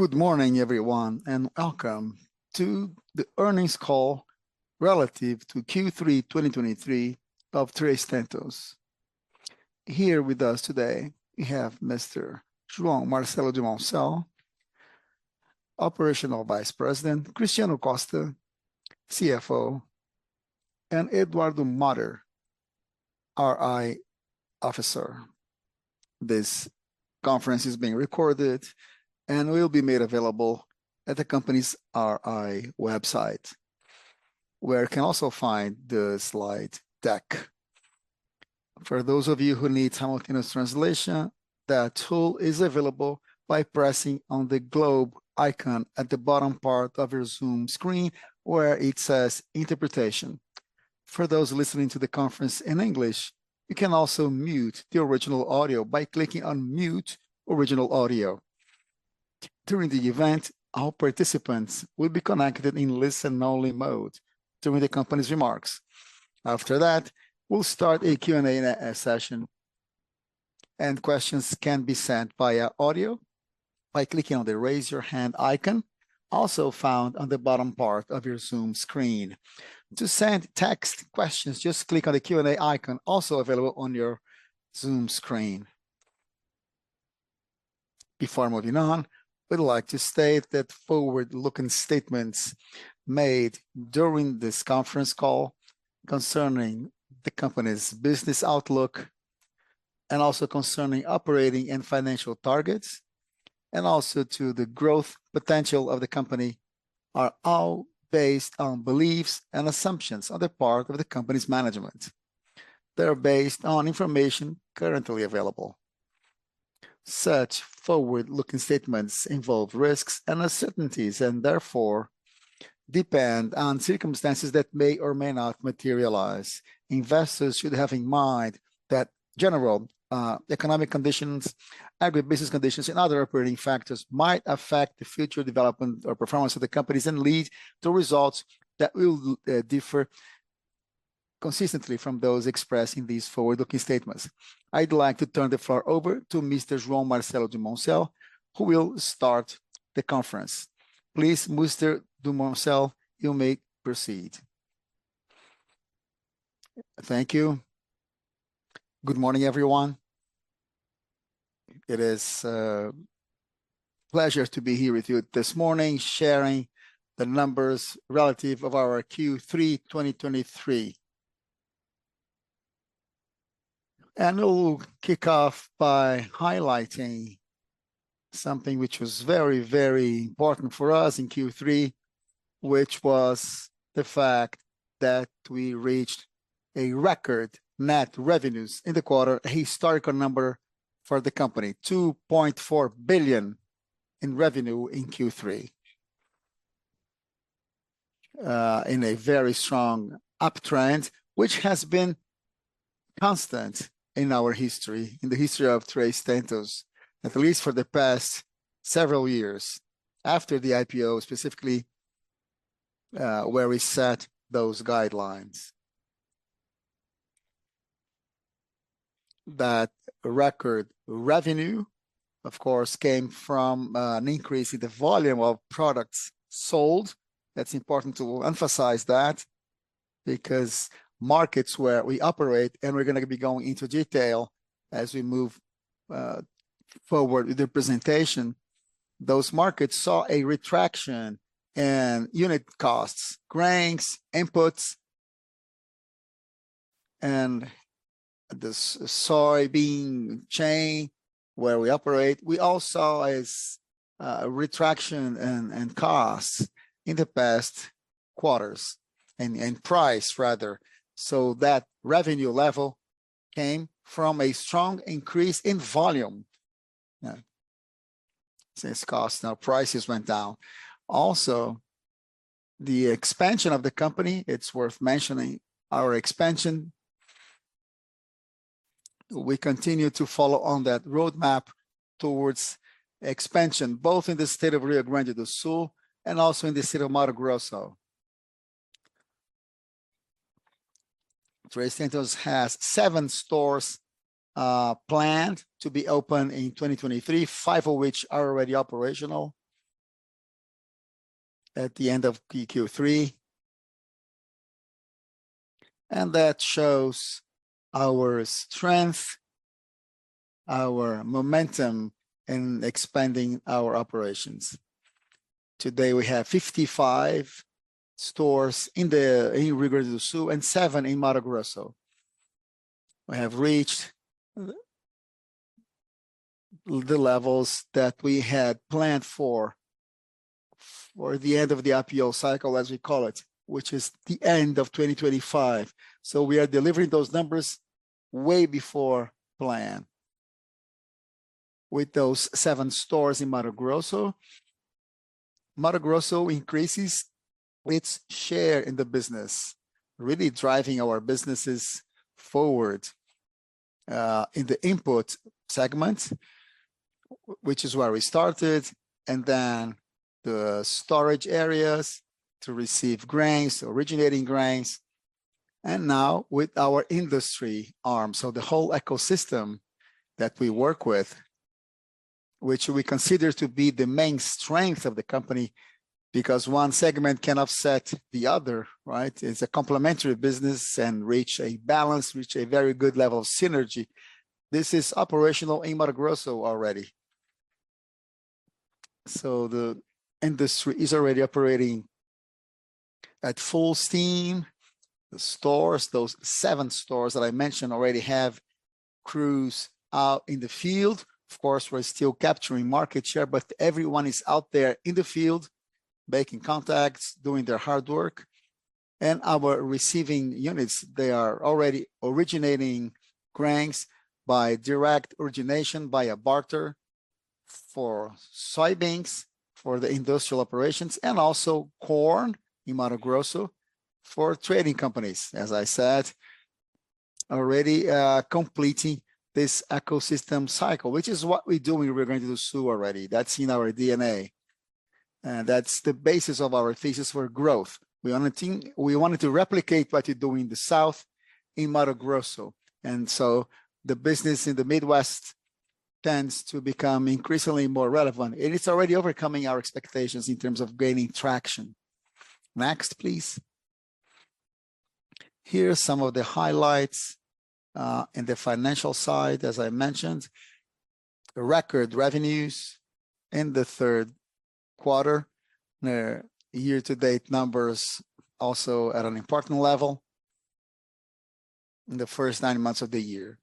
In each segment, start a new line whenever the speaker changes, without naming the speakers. Good morning, everyone, and welcome to the Earnings Call relative to Q3 2023 Três Tentos. here with us today, we have Mr. João Marcelo Dumoncel, Operational Vice President, Cristiano Costa, CFO, and Eduardo Huston, RI Officer. This conference is being recorded and will be made available at the company's RI website, where you can also find the slide deck. For those of you who need simultaneous translation, that tool is available by pressing on the globe icon at the bottom part of your Zoom screen, where it says Interpretation. For those listening to the conference in English, you can also mute the original audio by clicking on Mute Original Audio. During the event, all participants will be connected in listen-only mode during the company's remarks. After that, we'll start a Q&A session, and questions can be sent via audio by clicking on the Raise Your Hand icon, also found on the bottom part of your Zoom screen. To send text questions, just click on the Q&A icon, also available on your Zoom screen. Before moving on, we'd like to state that forward-looking statements made during this conference call concerning the company's business outlook, and also concerning operating and financial targets, and also to the growth potential of the company, are all based on beliefs and assumptions on the part of the company's management. They are based on information currently available. Such forward-looking statements involve risks and uncertainties, and therefore depend on circumstances that may or may not materialize. Investors should have in mind that general, economic conditions, agribusiness conditions, and other operating factors might affect the future development or performance of the companies and lead to results that will differ consistently from those expressing these forward-looking statements. I'd like to turn the floor over to Mr. João Marcelo Dumoncel, who will start the conference. Please, Mr. Dumoncel, you may proceed.
Thank you. Good morning, everyone. It is a pleasure to be here with you this morning, sharing the numbers relative of our Q3 2023. We'll kick off by highlighting something which was very, very important for us in Q3, which was the fact that we reached a record net revenues in the quarter, a historical number for the company, 2.4 billion in revenue in Q3. In a very strong uptrend, which has been constant in our history, in the history Três Tentos, at least for the past several years, after the IPO, specifically, where we set those guidelines. That record revenue, of course, came from an increase in the volume of products sold. That's important to emphasize that, because markets where we operate, and we're gonna be going into detail as we move forward with the presentation, those markets saw a retraction in unit costs, grains, inputs, and the soybean chain where we operate. We all saw a retraction in costs in the past quarters, in price rather. So that revenue level came from a strong increase in volume, since costs, now prices went down. Also, the expansion of the company, it's worth mentioning our expansion. We continue to follow on that roadmap towards expansion, both in the state of Rio Grande do Sul and also in the state of Mato Três Tentos has 7 stores planned to be open in 2023, 5 of which are already operational at the end of Q3. That shows our strength, our momentum in expanding our operations. Today, we have 55 stores in Rio Grande do Sul and 7 in Mato Grosso. We have reached the levels that we had planned for the end of the IPO cycle, as we call it, which is the end of 2025. We are delivering those numbers way before plan. With those seven stores in Mato Grosso, Mato Grosso increases its share in the business, really driving our businesses forward in the input segment, which is where we started, and then the storage areas to receive grains, originating grains... and now with our industry arm. So the whole ecosystem that we work with, which we consider to be the main strength of the company, because one segment can offset the other, right? It's a complementary business and reach a balance, reach a very good level of synergy. This is operational in Mato Grosso already. So the industry is already operating at full steam. The stores, those seven stores that I mentioned already, have crews out in the field. Of course, we're still capturing market share, but everyone is out there in the field making contacts, doing their hard work. Our receiving units, they are already originating grains by direct origination, via barter for soybeans, for the industrial operations, and also corn in Mato Grosso for trading companies. As I said, already, completing this ecosystem cycle, which is what we do in Rio Grande do Sul already. That's in our DNA, and that's the basis of our thesis for growth. We only think-- we wanted to replicate what we do in the South in Mato Grosso, and so the business in the Midwest tends to become increasingly more relevant, and it's already overcoming our expectations in terms of gaining traction. Next, please. Here are some of the highlights in the financial side. As I mentioned, record revenues in the third quarter. The year-to-date numbers also at an important level in the first 9 months of the year,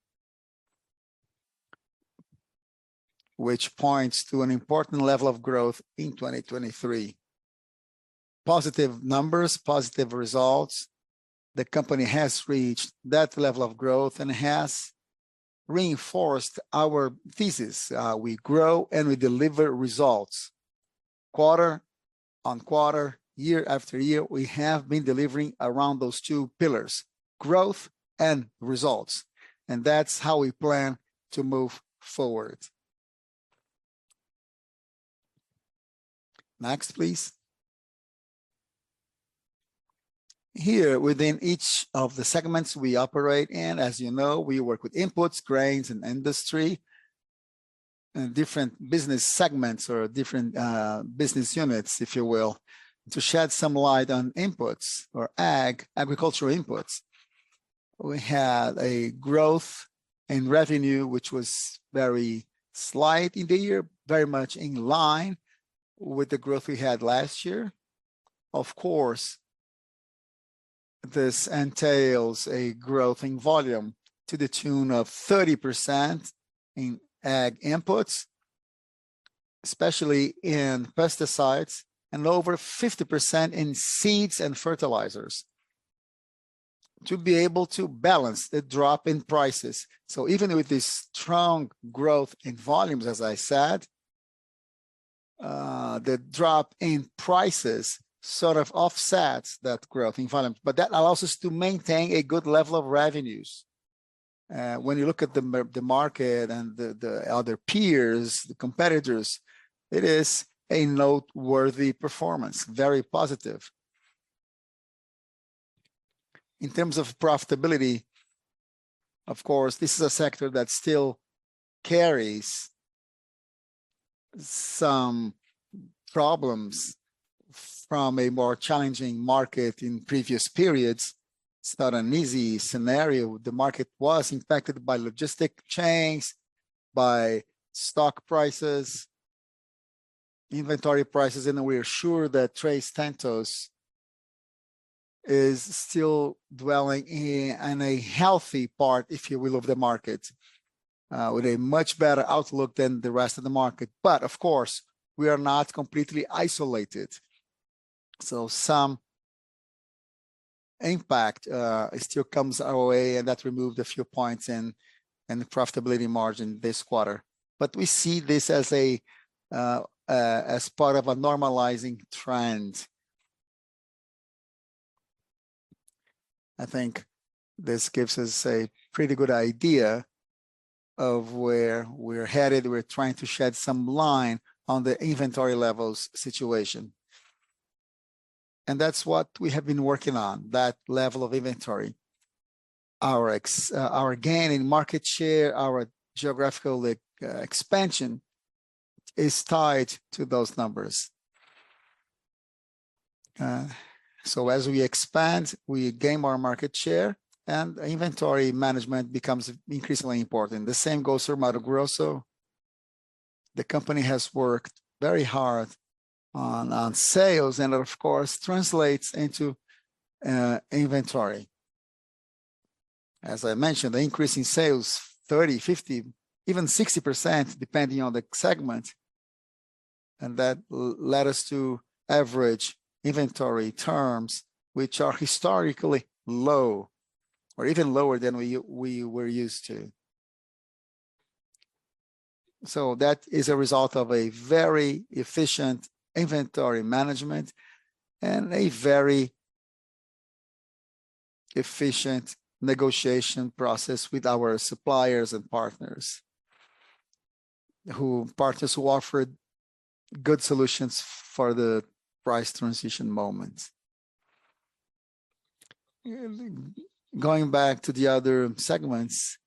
which points to an important level of growth in 2023. Positive numbers, positive results. The company has reached that level of growth and has reinforced our thesis. We grow and we deliver results. Quarter-on-quarter, year after year, we have been delivering around those two pillars, growth and results, and that's how we plan to move forward. Next, please. Here, within each of the segments we operate in, as you know, we work with inputs, grains, and industry, and different business segments or different business units, if you will. To shed some light on inputs or ag, agricultural inputs, we had a growth in revenue, which was very slight in the year, very much in line with the growth we had last year. Of course, this entails a growth in volume to the tune of 30% in ag inputs, especially in pesticides, and over 50% in seeds and fertilizers to be able to balance the drop in prices. So even with this strong growth in volumes, as I said, the drop in prices sort of offsets that growth in volume, but that allows us to maintain a good level of revenues. When you look at the market and the other peers, the competitors, it is a noteworthy performance, very positive. In terms of profitability, of course, this is a sector that still carries some problems from a more challenging market in previous periods. It's not an easy scenario. The market was impacted by logistic chains, by stock prices, inventory prices, and we are sure Três Tentos is still dwelling in a, in a healthy part, if you will, of the market, with a much better outlook than the rest of the market. But of course, we are not completely isolated, so some impact still comes our way, and that removed a few points in, in the profitability margin this quarter. But we see this as part of a normalizing trend. I think this gives us a pretty good idea of where we're headed. We're trying to shed some light on the inventory levels situation, and that's what we have been working on, that level of inventory. Our gain in market share, our geographical expansion is tied to those numbers. So as we expand, we gain more market share, and inventory management becomes increasingly important. The same goes for Mato Grosso. The company has worked very hard on sales, and of course, translates into inventory. As I mentioned, the increase in sales, 30, 50, even 60%, depending on the segment, and that led us to average inventory terms, which are historically low or even lower than we were used to. So that is a result of a very efficient inventory management and a very efficient negotiation process with our suppliers and partners who offered good solutions for the price transition moments. Going back to the other segments,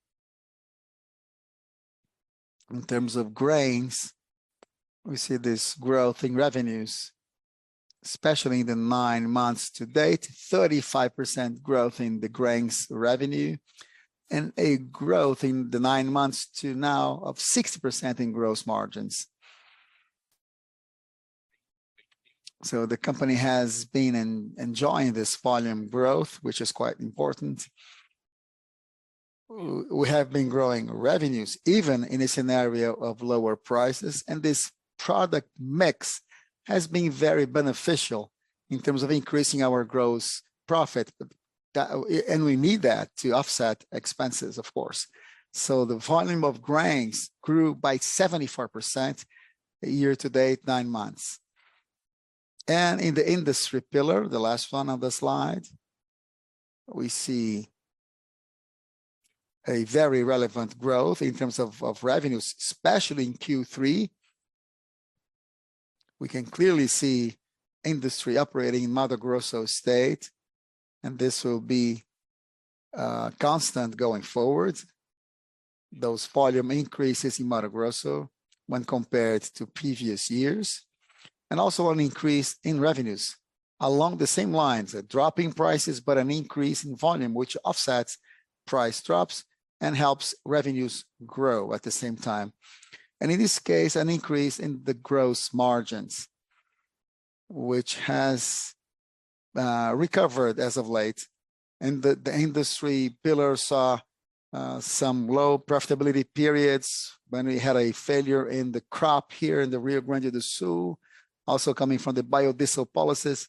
in terms of grains, we see this growth in revenues, especially in the nine months to date, 35% growth in the grains revenue, and a growth in the nine months to now of 60% in gross margins. So the company has been enjoying this volume growth, which is quite important. We have been growing revenues even in a scenario of lower prices, and this product mix has been very beneficial in terms of increasing our gross profit, that and we need that to offset expenses, of course. So the volume of grains grew by 74% year to date, nine months. And in the industry pillar, the last one on the slide, we see a very relevant growth in terms of revenues, especially in Q3. We can clearly see industry operating in Mato Grosso state, and this will be constant going forward. Those volume increases in Mato Grosso when compared to previous years, and also an increase in revenues. Along the same lines, a drop in prices, but an increase in volume, which offsets price drops and helps revenues grow at the same time. And in this case, an increase in the gross margins, which has recovered as of late. And the industry pillar saw some low profitability periods when we had a failure in the crop here in the Rio Grande do Sul, also coming from the biodiesel policies.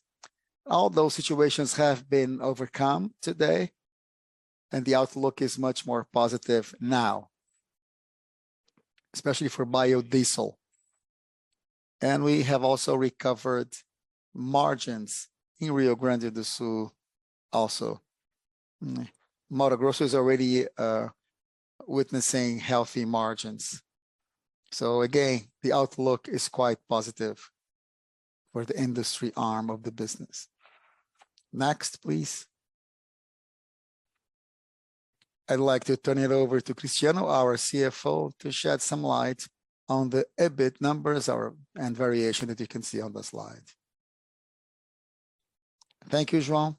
All those situations have been overcome today, and the outlook is much more positive now, especially for biodiesel. And we have also recovered margins in Rio Grande do Sul also. Mato Grosso is already witnessing healthy margins. So again, the outlook is quite positive for the industry arm of the business. Next, please. I'd like to turn it over to Cristiano, our CFO, to shed some light on the EBIT numbers or, and variation that you can see on the slide.
Thank you, João.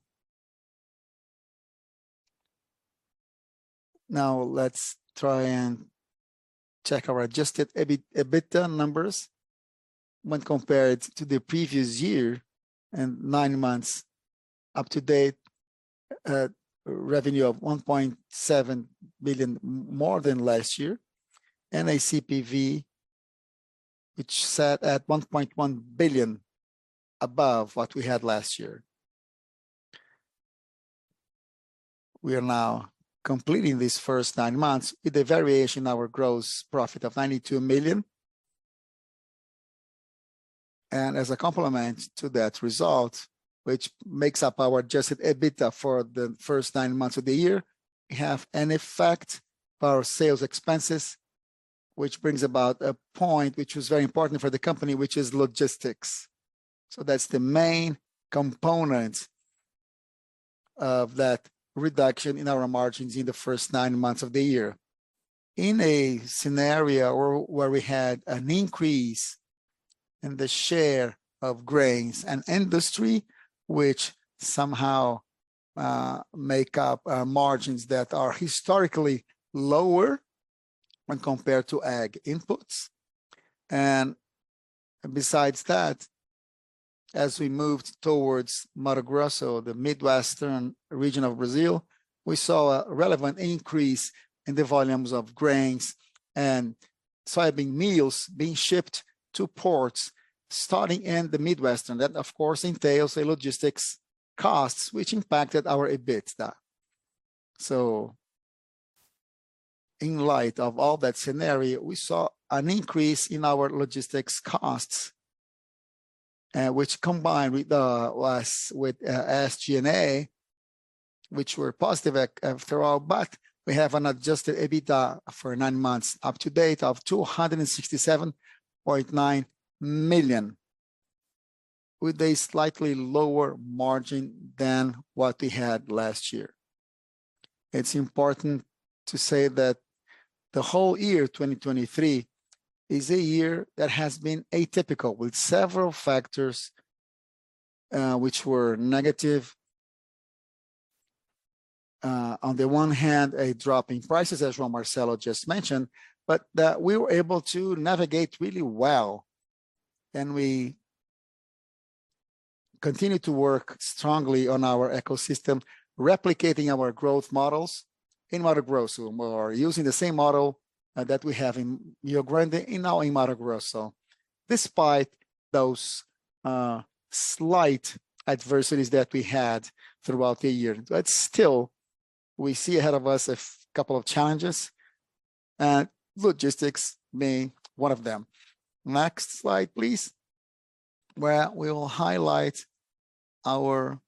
Now, let's try and check our adjusted EBIT, EBITDA numbers when compared to the previous year and nine months up to date, revenue of 1.7 billion, more than last year, and a CPV, which sat at 1.1 billion above what we had last year. We are now completing these first nine months with a variation in our gross profit of 92 million. As a complement to that result, which makes up our adjusted EBITDA for the first nine months of the year, we have an effect of our sales expenses, which brings about a point which was very important for the company, which is logistics. That's the main component of that reduction in our margins in the first nine months of the year. In a scenario where we had an increase in the share of grains and industry, which somehow make up margins that are historically lower when compared to ag inputs. Besides that, as we moved towards Mato Grosso, the Midwestern region of Brazil, we saw a relevant increase in the volumes of grains and soybean meals being shipped to ports, starting in the Midwestern. That, of course, entails a logistics cost, which impacted our EBITDA. So in light of all that scenario, we saw an increase in our logistics costs, which combined with the last with SG&A, which were positive after all, but we have an adjusted EBITDA for 9 months to date of 267.9 million, with a slightly lower margin than what we had last year. It's important to say that the whole year, 2023, is a year that has been atypical, with several factors, which were negative. On the one hand, a drop in prices, as João Marcelo just mentioned, but that we were able to navigate really well, and we continue to work strongly on our ecosystem, replicating our growth models in Mato Grosso. We are using the same model that we have in Rio Grande, now in Mato Grosso, despite those slight adversities that we had throughout the year. But still, we see ahead of us a couple of challenges, and logistics being one of them. Next slide, please, where we will highlight our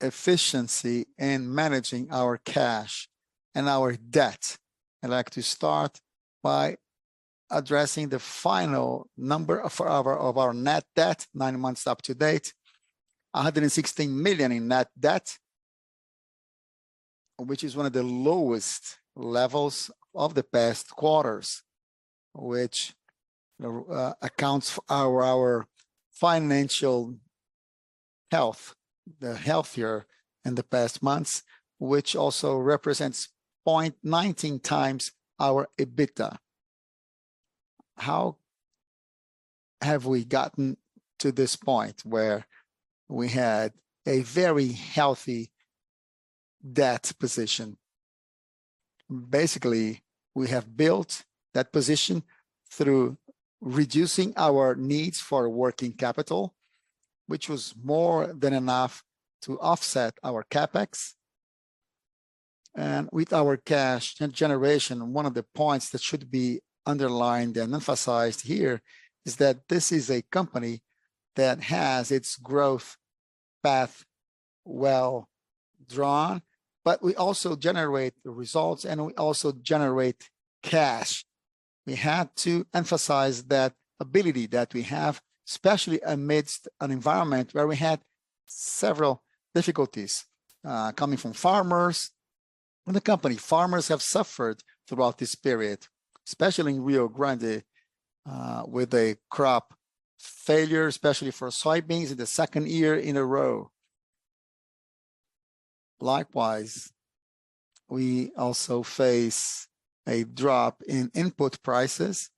efficiency in managing our cash and our debt. I'd like to start by addressing the final number of our net debt, nine months up to date, 116 million in net debt, which is one of the lowest levels of the past quarters, which accounts for our financial health, the healthier in the past months, which also represents 0.19x our EBITDA. How have we gotten to this point where we had a very healthy debt position? Basically, we have built that position through reducing our needs for working capital, which was more than enough to offset our CapEx. And with our cash and generation, one of the points that should be underlined and emphasized here is that this is a company that has its growth path well drawn, but we also generate the results, and we also generate cash. We had to emphasize that ability that we have, especially amidst an environment where we had several difficulties coming from farmers and the company. Farmers have suffered throughout this period, especially in Rio Grande, with a crop failure, especially for soybeans in the second year in a row. Likewise, we also face a drop in input prices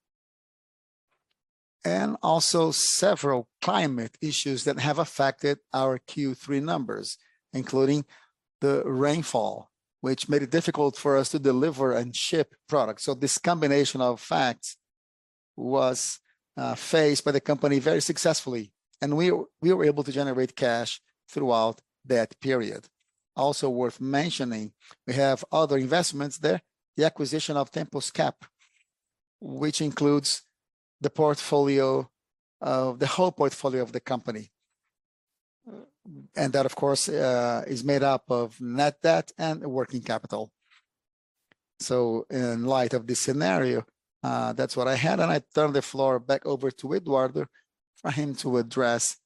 and also several climate issues that have affected our Q3 numbers, including the rainfall, which made it difficult for us to deliver and ship products. So this combination of facts was faced by the company very successfully, and we were able to generate cash throughout that period. Also worth mentioning, we have other investments there, the acquisition of TentosCap, which includes the portfolio of... the whole portfolio of the company. And that, of course, is made up of net debt and working capital. So in light of this scenario, that's what I had, and I turn the floor back over to Eduardo for him to address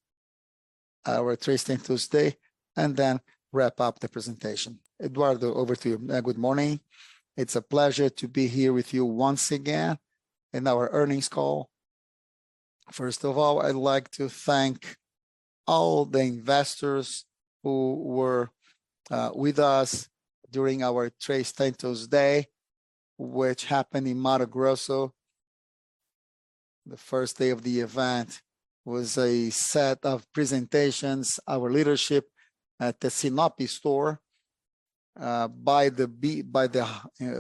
Três Tentos day and then wrap up the presentation. Eduardo, over to you. Good morning. It's a pleasure to be here with you once again in our earnings call. First of all, I'd like to thank all the investors who were with us during Três Tentos day, which happened in Mato Grosso. The first day of the event was a set of presentations, our leadership at the Sinop store, by the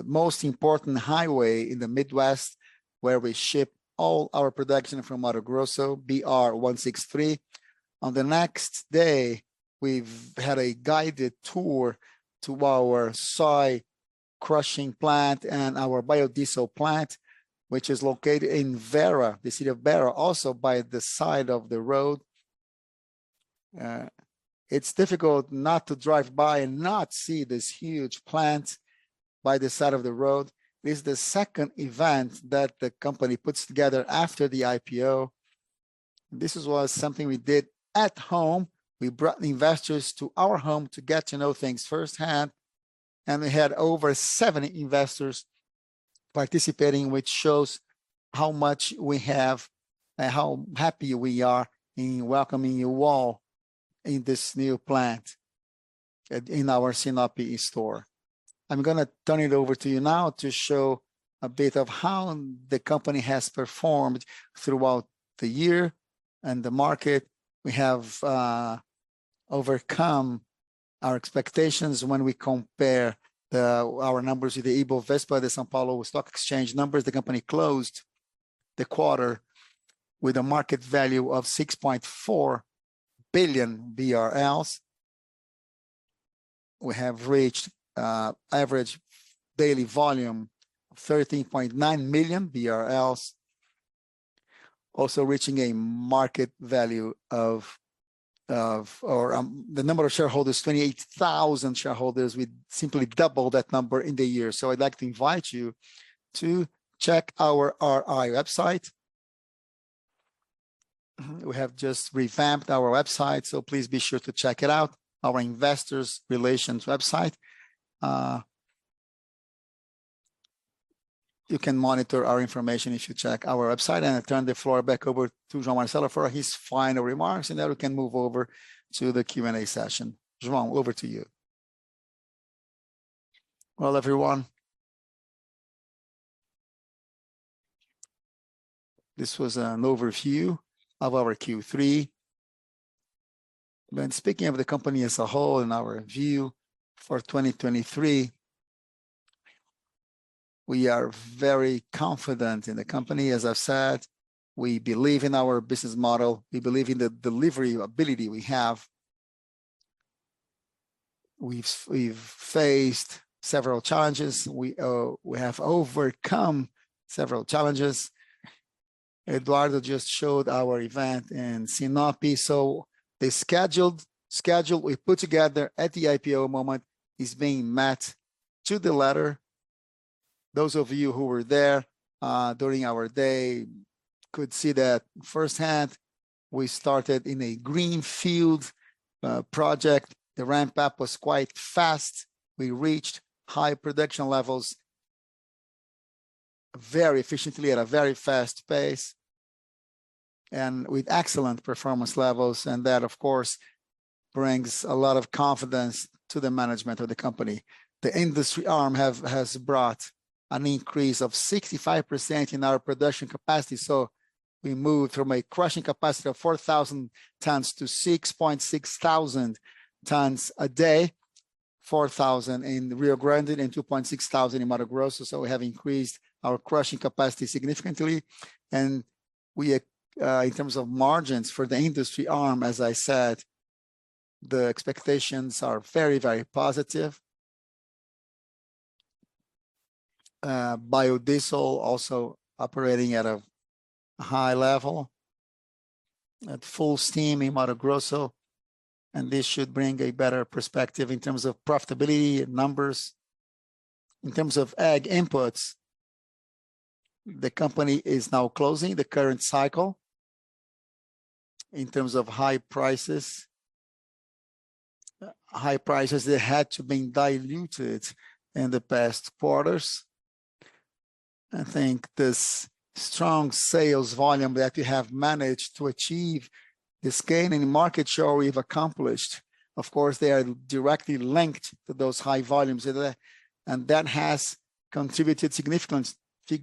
most important highway in the Midwest, where we ship all our production from Mato Grosso, BR-163. On the next day, we've had a guided tour to our soy crushing plant and our biodiesel plant, which is located in Vera, the city of Vera, also by the side of the road. It's difficult not to drive by and not see this huge plant by the side of the road. This is the second event that the company puts together after the IPO. This was something we did at home. We brought the investors to our home to get to know things firsthand, and we had over 70 investors participating, which shows how much we have and how happy we are in welcoming you all in this new plant, in our Sinop store. I'm gonna turn it over to you now to show a bit of how the company has performed throughout the year and the market. We have overcome our expectations when we compare our numbers with the Ibovespa, the São Paulo Stock Exchange numbers. The company closed the quarter with a market value of 6.4 billion BRL. We have reached average daily volume of 13.9 million BRL, also reaching a market value of the number of shareholders, 28,000 shareholders. We simply double that number in the year. So I'd like to invite you to check our RI website. We have just revamped our website, so please be sure to check it out, our investor relations website. You can monitor our information if you check our website. I turn the floor back over to João Marcelo for his final remarks, and then we can move over to the Q&A session. João, over to you.
Well, everyone, this was an overview of our Q3. When speaking of the company as a whole and our view for 2023, we are very confident in the company. As I've said, we believe in our business model. We believe in the delivery ability we have. We've faced several challenges. We have overcome several challenges. Eduardo just showed our event in Sinop. So the scheduled schedule we put together at the IPO moment is being met to the letter. Those of you who were there during our day could see that firsthand. We started in a greenfield project. The ramp-up was quite fast. We reached high production levels very efficiently, at a very fast pace, and with excellent performance levels, and that, of course, brings a lot of confidence to the management of the company. The industry arm has brought an increase of 65% in our production capacity, so we moved from a crushing capacity of 4,000 tons to 6,600 tons a day, 4,000 in Rio Grande and 2,600 in Mato Grosso. So we have increased our crushing capacity significantly, and we, in terms of margins for the industry arm, as I said, the expectations are very, very positive. Biodiesel also operating at a high level, at full steam in Mato Grosso, and this should bring a better perspective in terms of profitability and numbers. In terms of ag inputs, the company is now closing the current cycle. In terms of high prices, high prices that had been diluted in the past quarters, I think this strong sales volume that we have managed to achieve, this gain in market share we've accomplished, of course, they are directly linked to those high volumes, and that has contributed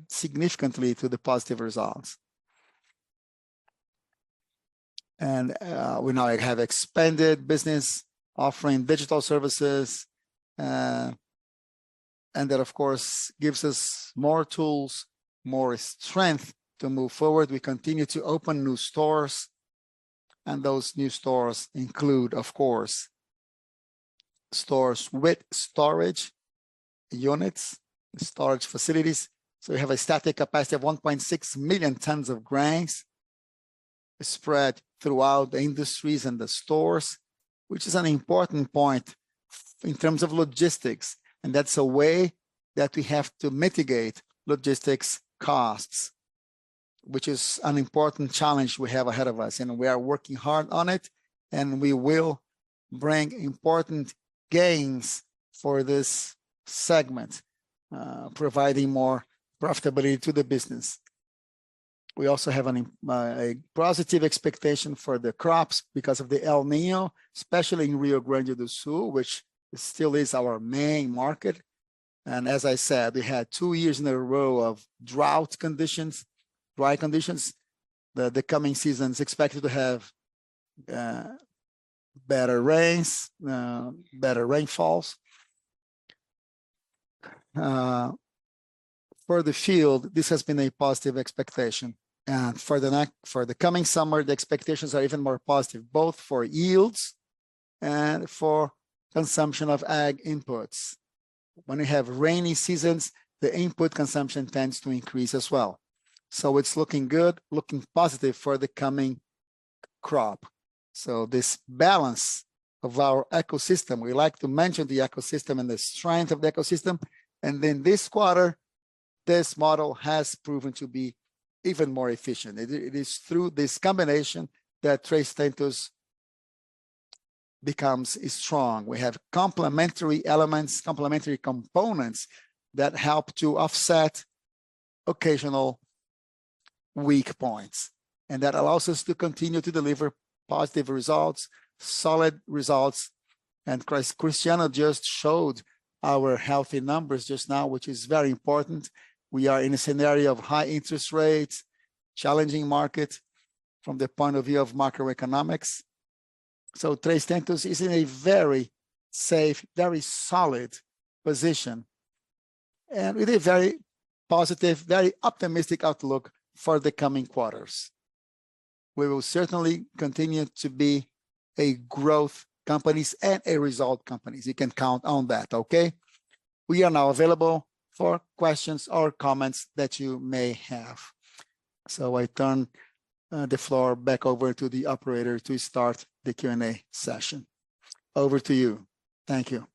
significantly to the positive results. We now have expanded business, offering digital services, and that, of course, gives us more tools, more strength to move forward. We continue to open new stores, and those new stores include, of course, stores with storage units, storage facilities. So we have a static capacity of 1.6 million tons of grains spread throughout the industries and the stores, which is an important point in terms of logistics, and that's a way that we have to mitigate logistics costs, which is an important challenge we have ahead of us, and we are working hard on it, and we will bring important gains for this segment, providing more profitability to the business. We also have a positive expectation for the crops because of the El Niño, especially in Rio Grande do Sul, which still is our main market. And as I said, we had two years in a row of drought conditions, dry conditions. The coming season is expected to have better rains, better rainfalls. For the field, this has been a positive expectation. For the coming summer, the expectations are even more positive, both for yields and for consumption of ag inputs. When we have rainy seasons, the input consumption tends to increase as well. So it's looking good, looking positive for the coming crop. So this balance of our ecosystem, we like to mention the ecosystem and the strength of the ecosystem, and in this quarter, this model has proven to be even more efficient. It is, it is through this that Três Tentos becomes strong. We have complementary elements, complementary components that help to offset occasional weak points, and that allows us to continue to deliver positive results, solid results. And Cristiano just showed our healthy numbers just now, which is very important. We are in a scenario of high interest rates, challenging market from the point of view of macroeconomics. so Três Tentos is in a very safe, very solid position, and with a very positive, very optimistic outlook for the coming quarters. We will certainly continue to be a growth company and a result company. You can count on that, okay? We are now available for questions or comments that you may have. So I turn the floor back over to the operator to start the Q&A session. Over to you. Thank you.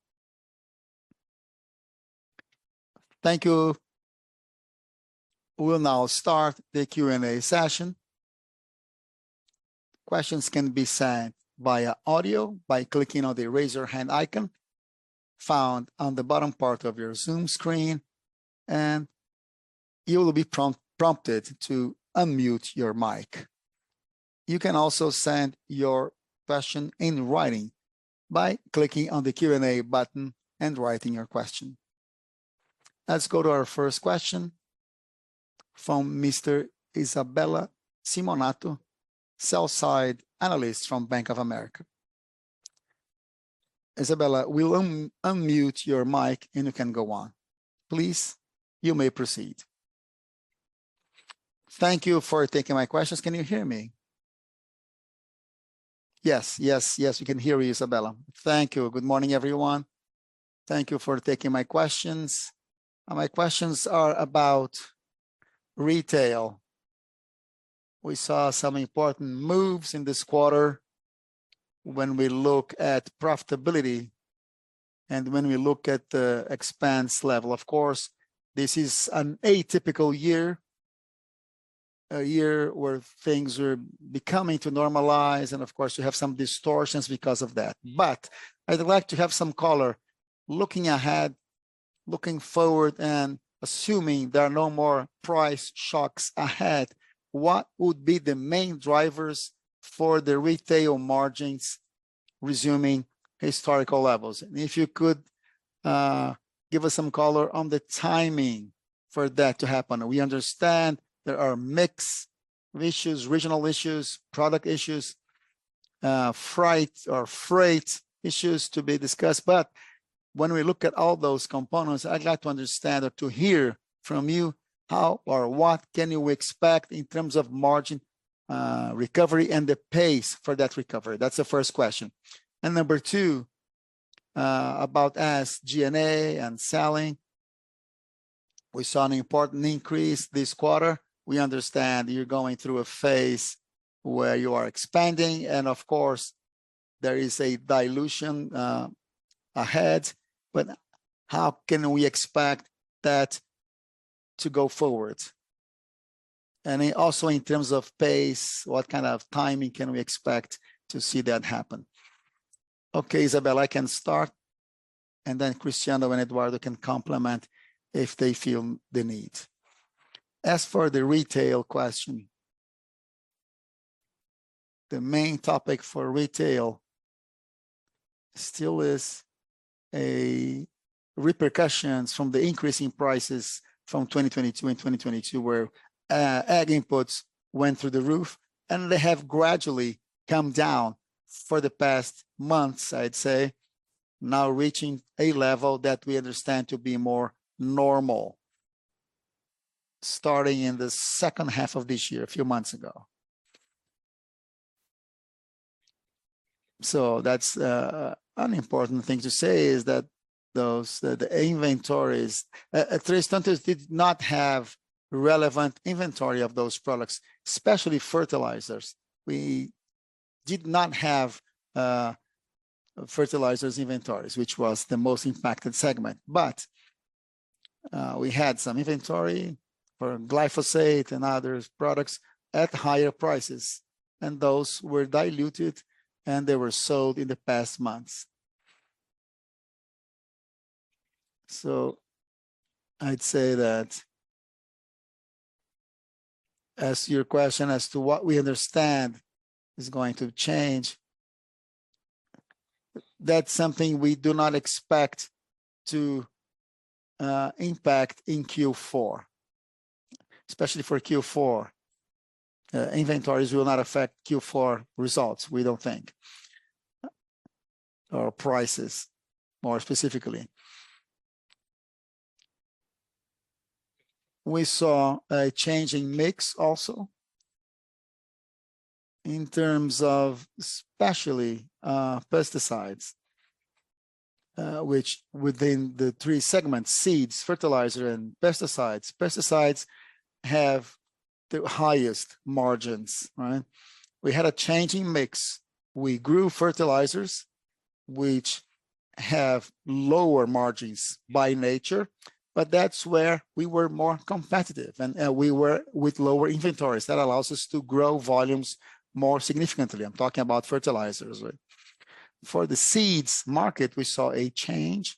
Thank you. We'll now start the Q&A session. Questions can be sent via audio by clicking on the Raise Your Hand icon found on the bottom part of your Zoom screen, and you will be prompted to unmute your mic. You can also send your question in writing by clicking on the Q&A button and writing your question. Let's go to our first question from Ms. Isabella Simonato, sell-side analyst from Bank of America. Isabella, we will unmute your mic, and you can go on. Please, you may proceed.
Thank you for taking my questions. Can you hear me?
Yes, yes, yes, we can hear you, Isabella.
Thank you. Good morning, everyone. Thank you for taking my questions. My questions are about retail. We saw some important moves in this quarter when we look at profitability and when we look at the expense level. Of course, this is an atypical year, a year where things are becoming to normalize, and of course, you have some distortions because of that. But I'd like to have some color. Looking ahead, looking forward, and assuming there are no more price shocks ahead, what would be the main drivers for the retail margins resuming historical levels? And if you could, give us some color on the timing for that to happen. We understand there are mix issues, regional issues, product issues, fright or freight issues to be discussed. But when we look at all those components, I'd like to understand or to hear from you, how or what can we expect in terms of margin, recovery and the pace for that recovery? That's the first question. And number two, about SG&A and selling. We saw an important increase this quarter. We understand you're going through a phase where you are expanding, and of course, there is a dilution, ahead, but how can we expect that to go forward? And also in terms of pace, what kind of timing can we expect to see that happen?
Okay, Isabella, I can start, and then Cristiano and Eduardo can complement if they feel the need. As for the retail question, the main topic for retail still is repercussions from the increase in prices from 2022, where ag inputs went through the roof, and they have gradually come down for the past months, I'd say, now reaching a level that we understand to be more normal, starting in the second half of this year, a few months ago. That's an important thing to say, is that those, the inventories, at Três Tentos did not have relevant inventory of those products, especially fertilizers. We did not have fertilizers inventories, which was the most impacted segment, but we had some inventory for glyphosate and other products at higher prices, and those were diluted, and they were sold in the past months. So I'd say that as to your question as to what we understand is going to change, that's something we do not expect to impact in Q4, especially for Q4. Inventories will not affect Q4 results, we don't think, or prices, more specifically. We saw a change in mix also in terms of especially pesticides, which within the three segments, seeds, fertilizer, and pesticides, pesticides have the highest margins, right? We had a changing mix. We grew fertilizers, which have lower margins by nature, but that's where we were more competitive, and we were with lower inventories. That allows us to grow volumes more significantly. I'm talking about fertilizers, right? For the seeds market, we saw a change,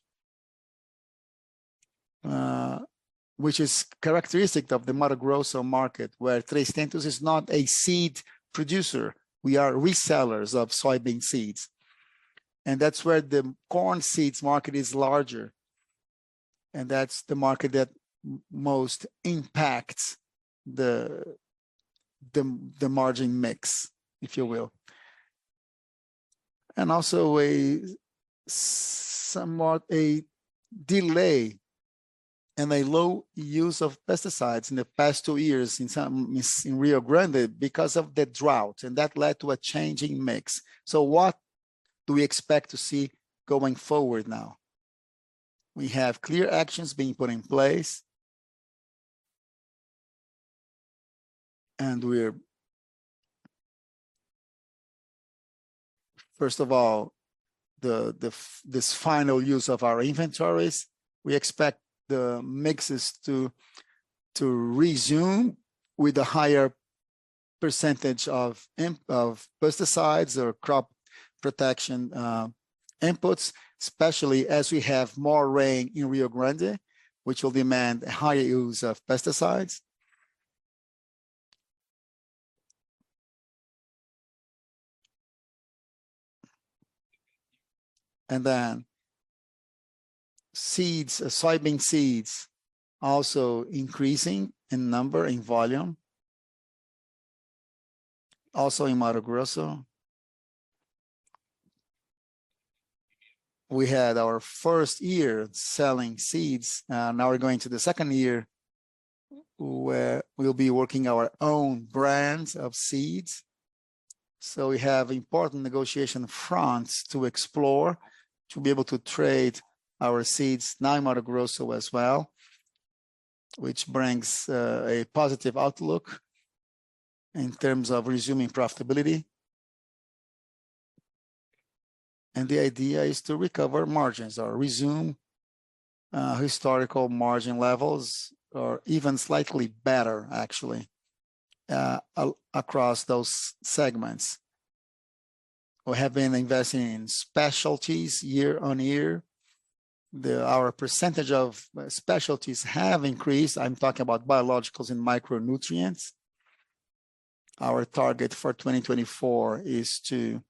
which is characteristic of the Mato Grosso market, Três Tentos is not a seed producer. We are resellers of soybean seeds, and that's where the corn seeds market is larger, and that's the market that most impacts the margin mix, if you will. And also somewhat of a delay and a low use of pesticides in the past two years in some Rio Grande because of the drought, and that led to a changing mix. So what do we expect to see going forward now? We have clear actions being put in place, and we're first of all, this final use of our inventories, we expect the mixes to resume with a higher percentage of pesticides or crop protection inputs, especially as we have more rain in Rio Grande, which will demand a higher use of pesticides. And then seeds, soybean seeds also increasing in number, in volume, also in Mato Grosso. We had our first year selling seeds, now we're going to the second year, where we'll be working our own brands of seeds. So we have important negotiation fronts to explore, to be able to trade our seeds, now in Mato Grosso as well, which brings a positive outlook in terms of resuming profitability. And the idea is to recover margins or resume historical margin levels, or even slightly better, actually, across those segments. We have been investing in specialties year-on-year. Our percentage of specialties have increased. I'm talking about biologicals and micronutrients. Our target for 2024 is to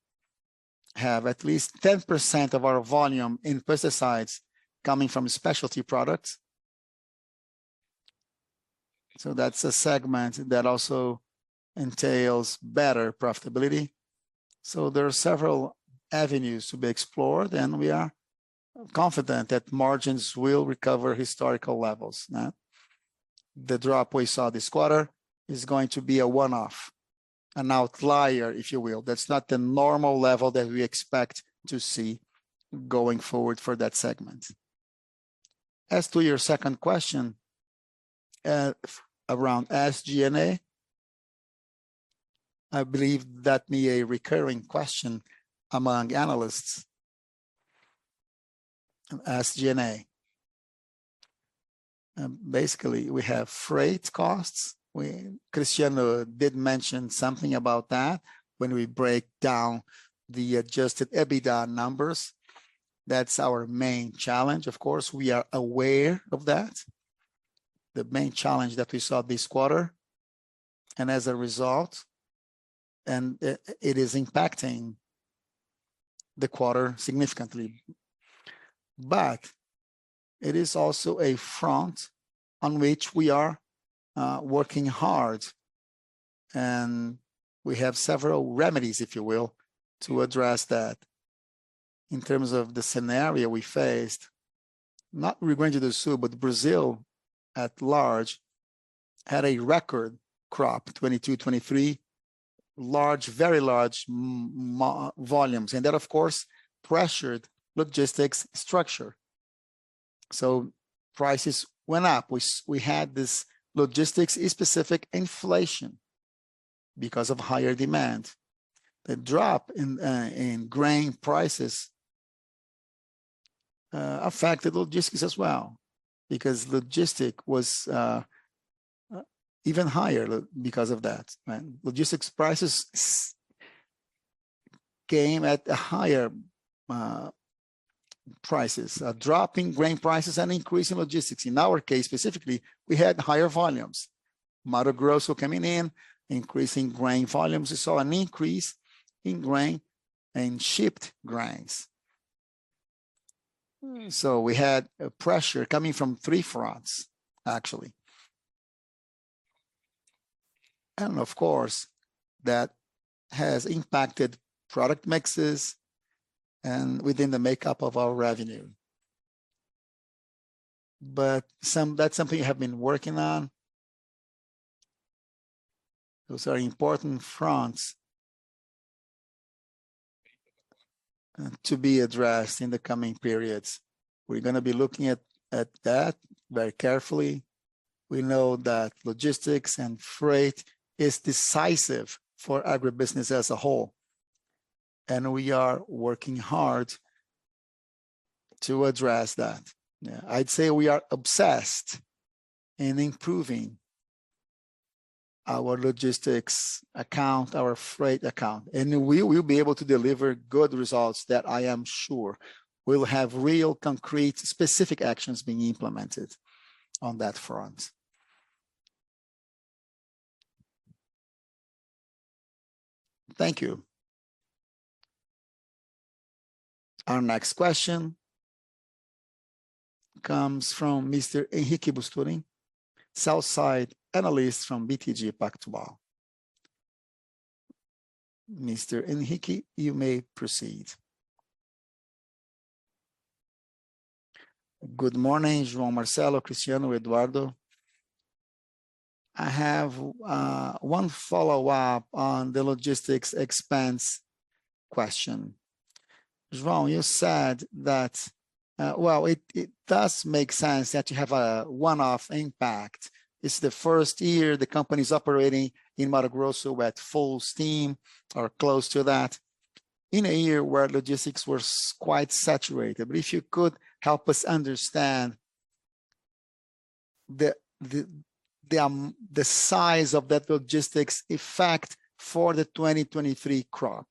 have at least 10% of our volume in pesticides coming from specialty products. So that's a segment that also entails better profitability. So there are several avenues to be explored, and we are confident that margins will recover historical levels, yeah. The drop we saw this quarter is going to be a one-off, an outlier, if you will. That's not the normal level that we expect to see going forward for that segment. As to your second question, around SG&A, I believe that be a recurring question among analysts. SG&A. Basically, we have freight costs. Cristiano did mention something about that when we break down the adjusted EBITDA numbers. That's our main challenge. Of course, we are aware of that, the main challenge that we saw this quarter, and as a result, it is impacting the quarter significantly. But it is also a front on which we are working hard, and we have several remedies, if you will, to address that. In terms of the scenario we faced, not Rio Grande do Sul, but Brazil at large, had a record crop, 2022, 2023, large, very large volumes, and that, of course, pressured logistics structure. So prices went up. We had this logistics-specific inflation because of higher demand. The drop in grain prices affected logistics as well, because logistic was even higher because of that, right? Logistics prices came at a higher prices, a drop in grain prices and increase in logistics. In our case, specifically, we had higher volumes, Mato Grosso coming in, increasing grain volumes. We saw an increase in grain and shipped grains. So we had a pressure coming from three fronts, actually. And of course, that has impacted product mixes and within the makeup of our revenue. But that's something we have been working on. Those are important fronts to be addressed in the coming periods. We're gonna be looking at that very carefully. We know that logistics and freight is decisive for agribusiness as a whole, and we are working hard to address that. Yeah, I'd say we are obsessed in improving our logistics account, our freight account, and we will be able to deliver good results that I am sure will have real, concrete, specific actions being implemented on that front.
Thank you.
Our next question comes from Mr. Henrique Brustolin, sell-side analyst from BTG Pactual. Mr. Henrique, you may proceed.
Good morning, João Marcelo, Cristiano, Eduardo. I have one follow-up on the logistics expense question. João, you said that, well, it does make sense that you have a one-off impact. It's the first year the company is operating in Mato Grosso at full steam or close to that, in a year where logistics was quite saturated. But if you could help us understand the size of that logistics effect for the 2023 crop,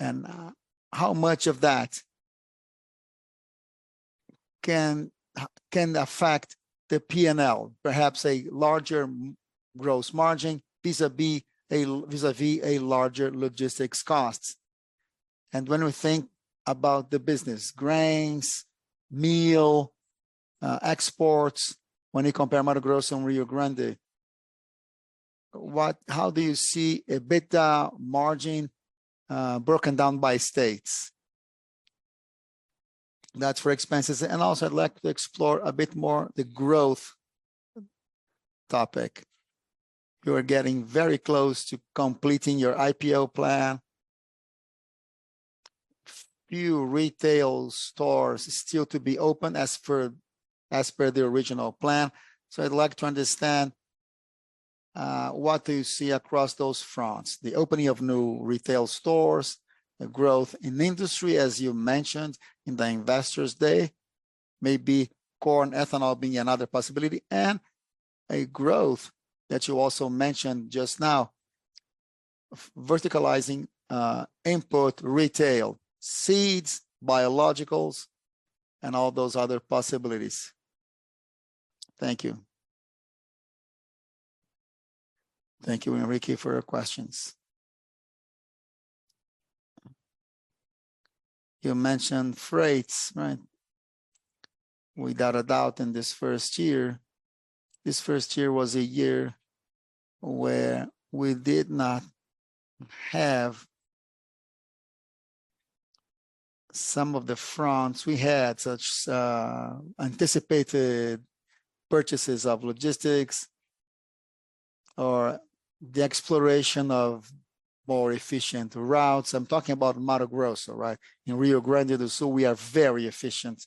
and how much of that can affect the P&L, perhaps a larger gross margin, vis-a-vis a larger logistics cost? And when we think about the business, grains, meal, exports, when you compare Mato Grosso and Rio Grande? What, how do you see EBITDA margin broken down by states? That's for expenses, and also I'd like to explore a bit more the growth topic. You are getting very close to completing your IPO plan. Few retail stores still to be opened as for, as per the original plan, so I'd like to understand what do you see across those fronts? The opening of new retail stores, the growth in the industry, as you mentioned in the Investors Day, maybe corn ethanol being another possibility, and a growth that you also mentioned just now, verticalizing input, retail, seeds, biologicals, and all those other possibilities. Thank you.
Thank you, Henrique, for your questions. You mentioned freights, right? Without a doubt, in this first year, this first year was a year where we did not have some of the fronts. We had such anticipated purchases of logistics or the exploration of more efficient routes. I'm talking about Mato Grosso, right? In Rio Grande do Sul, we are very efficient.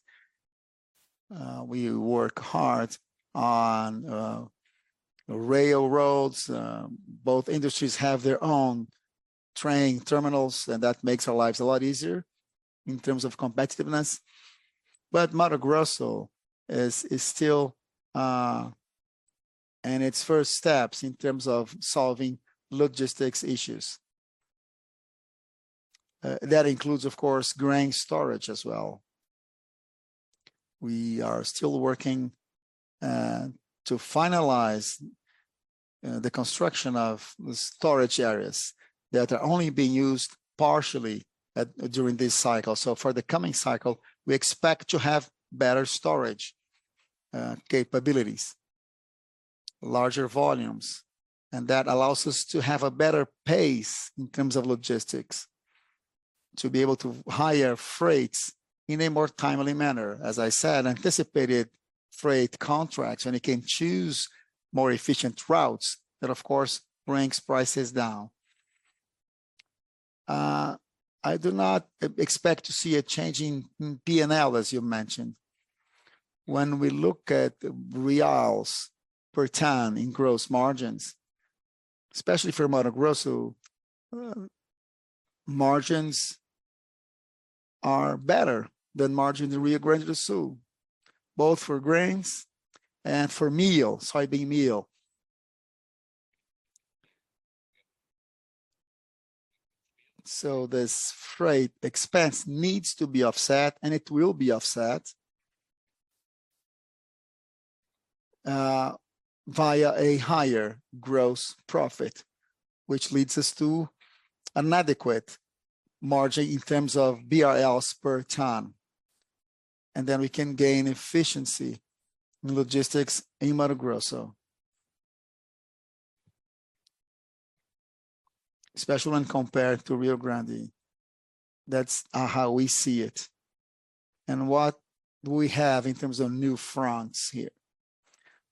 We work hard on railroads. Both industries have their own train terminals, and that makes our lives a lot easier in terms of competitiveness. But Mato Grosso is still in its first steps in terms of solving logistics issues. That includes, of course, grain storage as well. We are still working to finalize the construction of the storage areas that are only being used partially during this cycle. So for the coming cycle, we expect to have better storage capabilities, larger volumes, and that allows us to have a better pace in terms of logistics, to be able to hire freights in a more timely manner. As I said, anticipated freight contracts, and it can choose more efficient routes, that, of course, brings prices down. I do not expect to see a change in P&L, as you mentioned. When we look at the reals per ton in gross margins, especially for Mato Grosso, margins are better than margins in Rio Grande do Sul, both for grains and for meal, soybean meal. So this freight expense needs to be offset, and it will be offset, via a higher gross profit, which leads us to an adequate margin in terms of BRLs per ton, and then we can gain efficiency in logistics in Mato Grosso, especially when compared to Rio Grande. That's, how we see it. And what do we have in terms of new fronts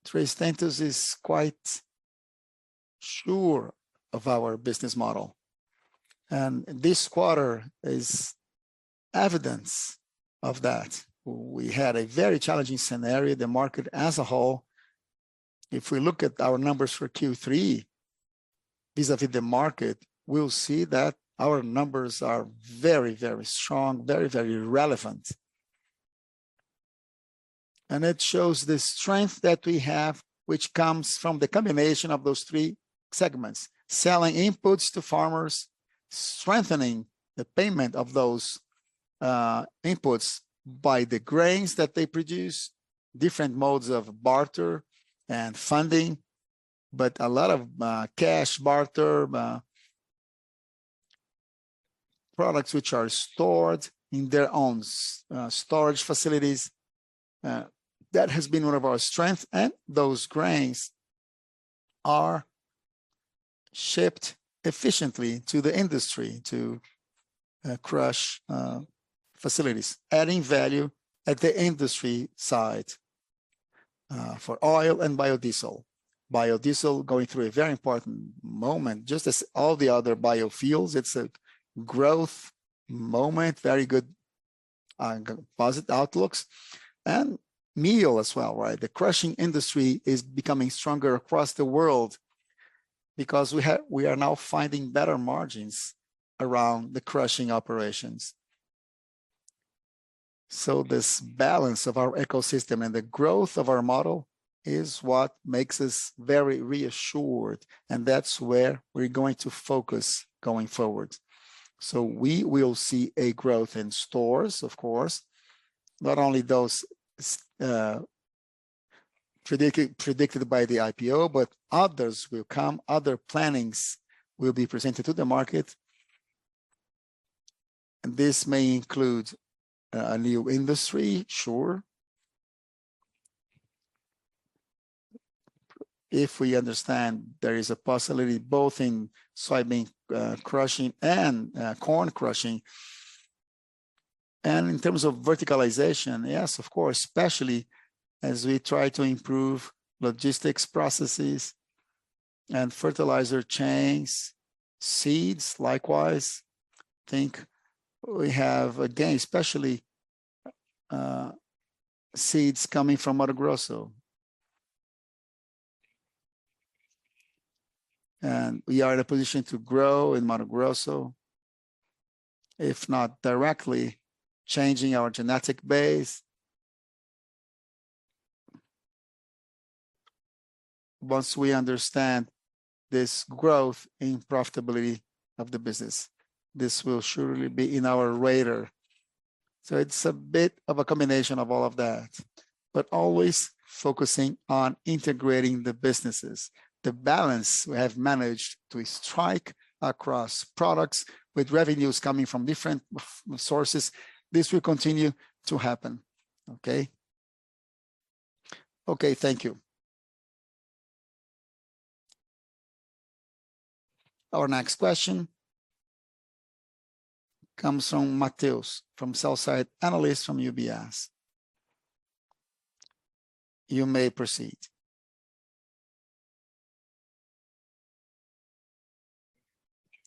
Três Tentos is quite sure of our business model, and this quarter is evidence of that. We had a very challenging scenario, the market as a whole. If we look at our numbers for Q3, vis-à-vis the market, we'll see that our numbers are very, very strong, very, very relevant. It shows the strength that we have, which comes from the combination of those three segments: selling inputs to farmers, strengthening the payment of those inputs by the grains that they produce, different modes of barter and funding, but a lot of cash barter products which are stored in their own storage facilities. That has been one of our strengths, and those grains are shipped efficiently to the industry to crush facilities, adding value at the industry side for oil and biodiesel. Biodiesel going through a very important moment, just as all the other biofuels, it's a growth moment, very good composite outlooks and meal as well, right? The crushing industry is becoming stronger across the world because we have- we are now finding better margins around the crushing operations. So this balance of our ecosystem and the growth of our model is what makes us very reassured, and that's where we're going to focus going forward. So we will see a growth in stores, of course, not only those predicted by the IPO, but others will come, other plannings will be presented to the market.... And this may include a new industry, sure. If we understand there is a possibility both in soybean crushing and corn crushing. And in terms of verticalization, yes, of course, especially as we try to improve logistics processes and fertilizer chains, seeds, likewise. I think we have, again, especially seeds coming from Mato Grosso. And we are in a position to grow in Mato Grosso, if not directly changing our genetic base. Once we understand this growth in profitability of the business, this will surely be in our radar. So it's a bit of a combination of all of that, but always focusing on integrating the businesses. The balance we have managed to strike across products with revenues coming from different sources, this will continue to happen. Okay?
Okay, thank you.
Our next question comes from Matheus, sell-side analyst from UBS. You may proceed.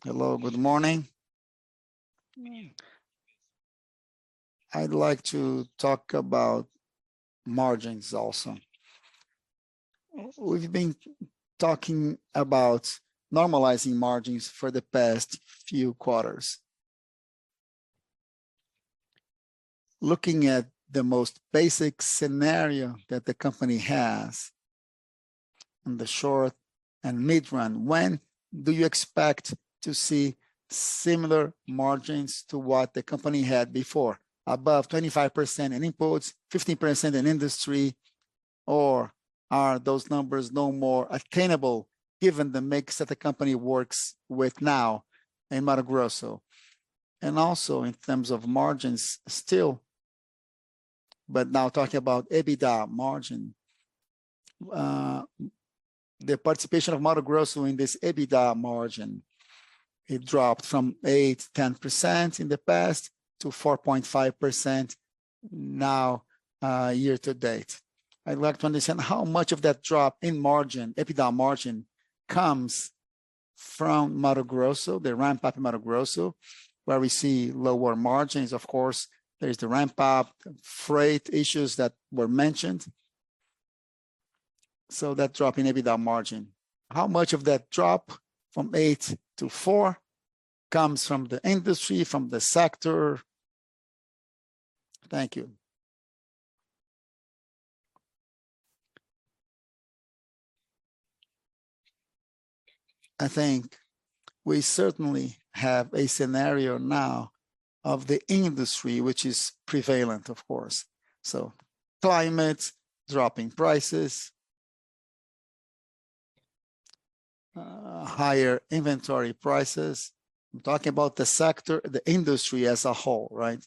Hello, good morning. Good morning. I'd like to talk about margins also. We've been talking about normalizing margins for the past few quarters. Looking at the most basic scenario that the company has in the short and midrun, when do you expect to see similar margins to what the company had before, above 25% in imports, 15% in industry, or are those numbers no more attainable given the mix that the company works with now in Mato Grosso? And also in terms of margins still, but now talking about EBITDA margin, the participation of Mato Grosso in this EBITDA margin, it dropped from 8%-10% in the past to 4.5% now, year to date. I'd like to understand how much of that drop in margin, EBITDA margin, comes from Mato Grosso, the ramp-up in Mato Grosso, where we see lower margins. Of course, there is the ramp-up, freight issues that were mentioned. So that drop in EBITDA margin, how much of that drop from 8%-4% comes from the industry, from the sector? Thank you.
I think we certainly have a scenario now of the industry, which is prevalent, of course. So climate, dropping prices, higher inventory prices. I'm talking about the sector, the industry as a whole, right?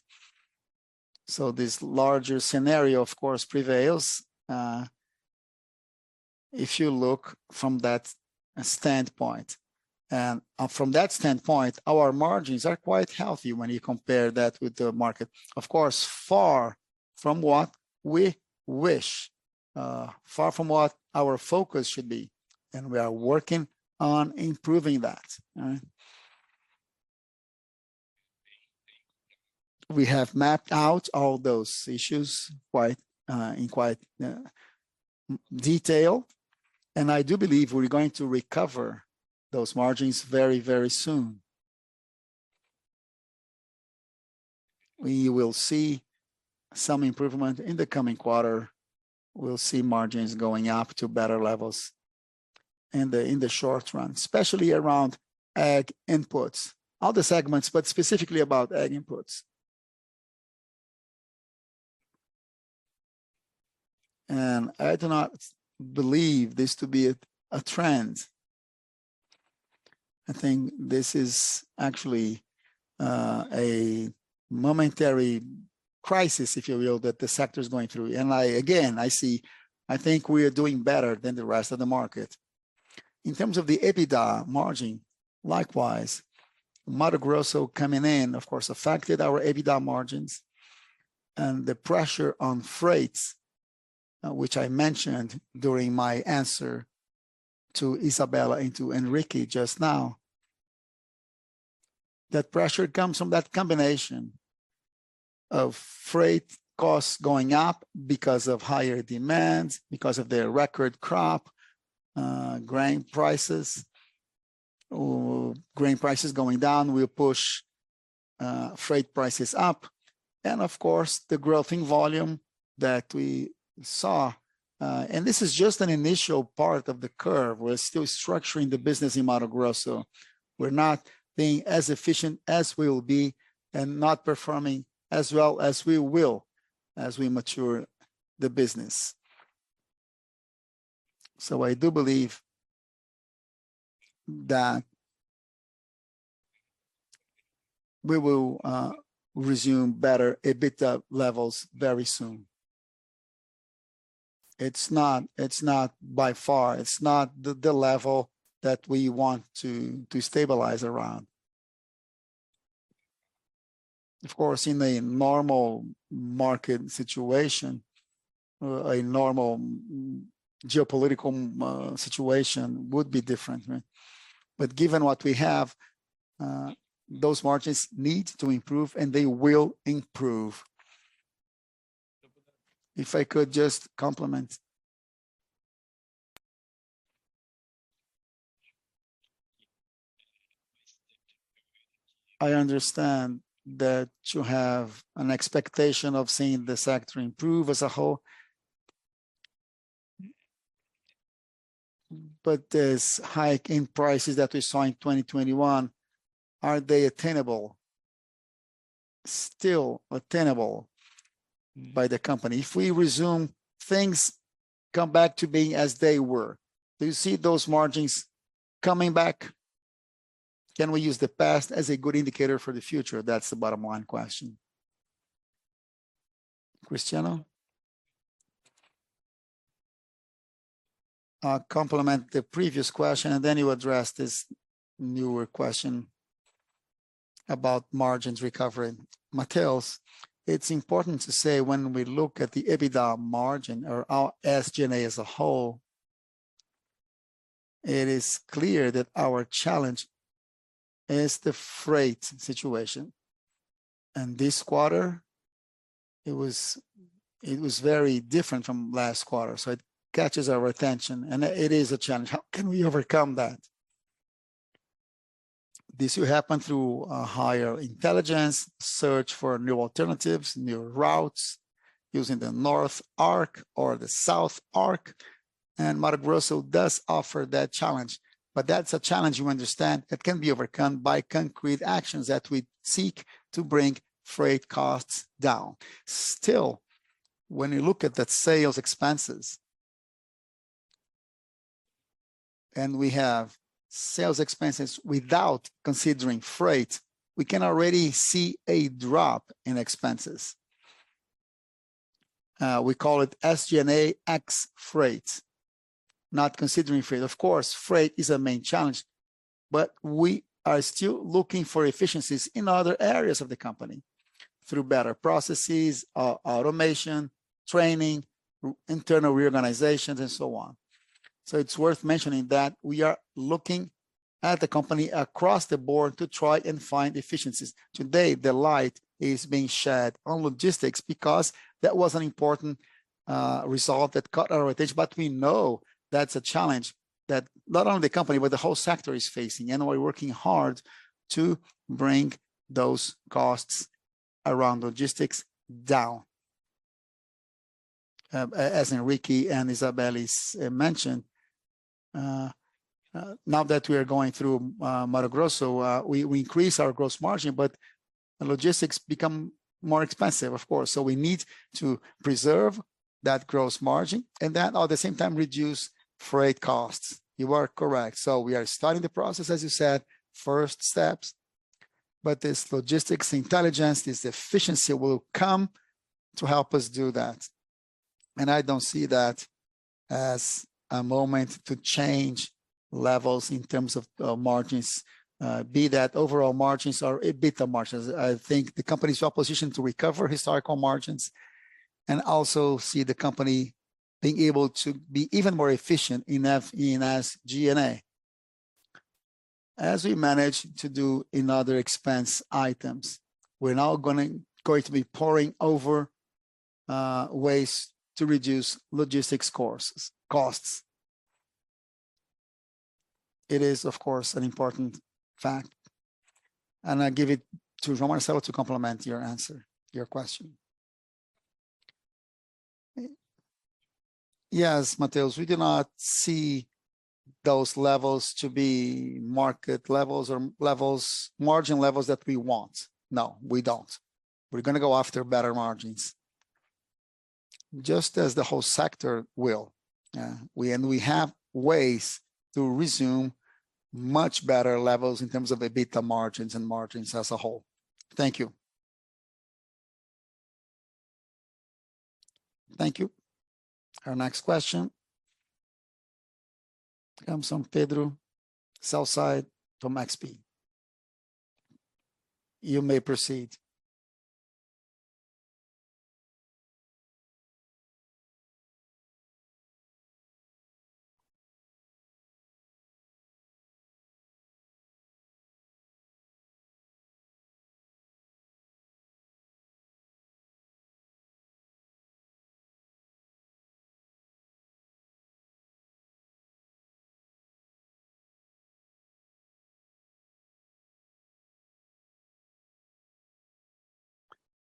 So this larger scenario, of course, prevails, if you look from that standpoint. And from that standpoint, our margins are quite healthy when you compare that with the market. Of course, far from what we wish, far from what our focus should be, and we are working on improving that. We have mapped out all those issues quite in detail, and I do believe we're going to recover those margins very, very soon. We will see some improvement in the coming quarter. We'll see margins going up to better levels in the short run, especially around ag inputs, other segments, but specifically about ag inputs. I do not believe this to be a trend. I think this is actually a momentary crisis, if you will, that the sector is going through. And I, again, I see. I think we are doing better than the rest of the market. In terms of the EBITDA margin, likewise, Mato Grosso coming in, of course, affected our EBITDA margins and the pressure on freights, which I mentioned during my answer to Isabella and to Henrique just now. That pressure comes from that combination of freight costs going up because of higher demands, because of their record crop, grain prices. Grain prices going down will push freight prices up, and of course, the growth in volume that we saw. And this is just an initial part of the curve. We're still structuring the business in Mato Grosso. We're not being as efficient as we will be and not performing as well as we will, as we mature the business. So I do believe that we will resume better EBITDA levels very soon. It's not by far the level that we want to stabilize around. Of course, in a normal market situation, a normal geopolitical situation would be different, right? But given what we have, those margins need to improve, and they will improve. If I could just complement. I understand that you have an expectation of seeing the sector improve as a whole, but this hike in prices that we saw in 2021, are they attainable, still attainable by the company? If we resume, things come back to being as they were, do you see those margins coming back? Can we use the past as a good indicator for the future? That's the bottom line question. Cristiano?
Complement the previous question, and then you address this newer question about margins recovery. Matheus, it's important to say when we look at the EBITDA margin or our SG&A as a whole, it is clear that our challenge is the freight situation. And this quarter, it was very different from last quarter, so it catches our attention, and it is a challenge. How can we overcome that? This will happen through higher intelligence, search for new alternatives, new routes, using the North Arc or the South Arc, and Mato Grosso does offer that challenge. But that's a challenge, you understand, it can be overcome by concrete actions that we seek to bring freight costs down. Still, when you look at the sales expenses, and we have sales expenses without considering freight, we can already see a drop in expenses. We call it SG&A ex freight, not considering freight. Of course, freight is a main challenge, but we are still looking for efficiencies in other areas of the company through better processes, automation, training, internal reorganizations, and so on. So it's worth mentioning that we are looking at the company across the board to try and find efficiencies. Today, the light is being shed on logistics because that was an important result that caught our attention. But we know that's a challenge that not only the company, but the whole sector is facing, and we're working hard to bring those costs around logistics down. As Henrique and Isabella mentioned, now that we are going through Mato Grosso, we increase our gross margin, but logistics become more expensive, of course. So we need to preserve that gross margin and then, at the same time, reduce freight costs. You are correct. So we are starting the process, as you said, first steps, but this logistics intelligence, this efficiency will come to help us do that. And I don't see that as a moment to change levels in terms of margins, be that overall margins or EBITDA margins. I think the company is well positioned to recover historical margins and also see the company being able to be even more efficient in SG&A. As we managed to do in other expense items, we're now going to be poring over ways to reduce logistics costs. It is, of course, an important fact, and I give it to João Marcelo to complement your answer, your question. Yes, Matheus, we do not see those levels to be market levels or levels, margin levels that we want. No, we don't. We're gonna go after better margins, just as the whole sector will. We, and we have ways to resume much better levels in terms of EBITDA margins and margins as a whole.
Thank you.
Thank you. Our next question comes from Pedro from XP. You may proceed.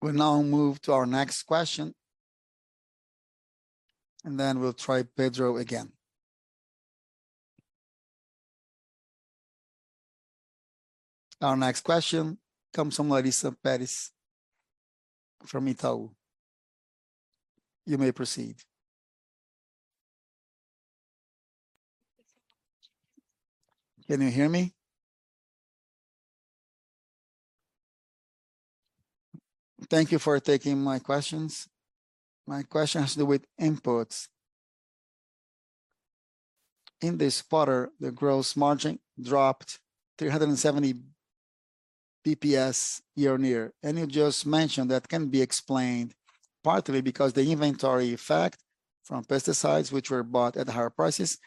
We now move to our next question, and then we'll try Pedro again. Our next question comes from Larissa Pérez, from Itaú. You may proceed. Can you hear me? Thank you for taking my questions. My question has to do with inputs. In this quarter, the gross margin dropped 370 BPS year-on-year, and you just mentioned that can be explained partly because the inventory effect from pesticides, which were bought at higher prices,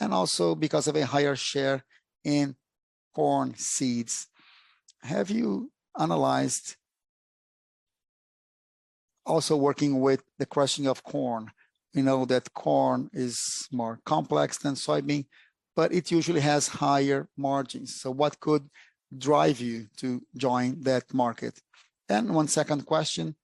and also because of a higher share in corn seeds. Have you analyzed also working with the crushing of corn? We know that corn is more complex than soybean, but it usually has higher margins. So what could drive you to join that market? Then one second question,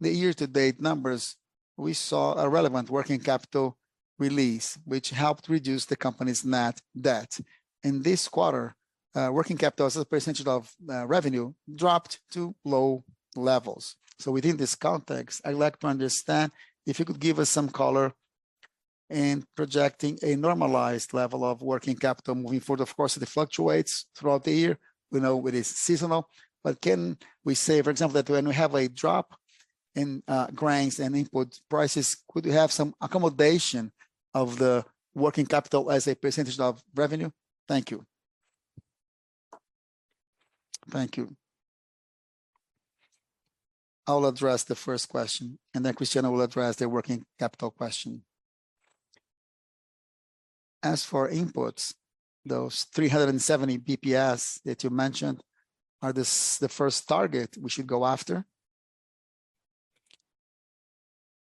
the year-to-date numbers, we saw a relevant working capital release, which helped reduce the company's net debt.
In this quarter, working capital as a percentage of revenue dropped to low levels. So within this context, I'd like to understand if you could give us some color in projecting a normalized level of working capital moving forward. Of course, it fluctuates throughout the year. We know it is seasonal, but can we say, for example, that when we have a drop in grains and input prices, could we have some accommodation of the working capital as a percentage of revenue? Thank you.
Thank you. I'll address the first question, and then Cristiano will address the working capital question. As for inputs, those 370 basis points that you mentioned, is this the first target we should go after?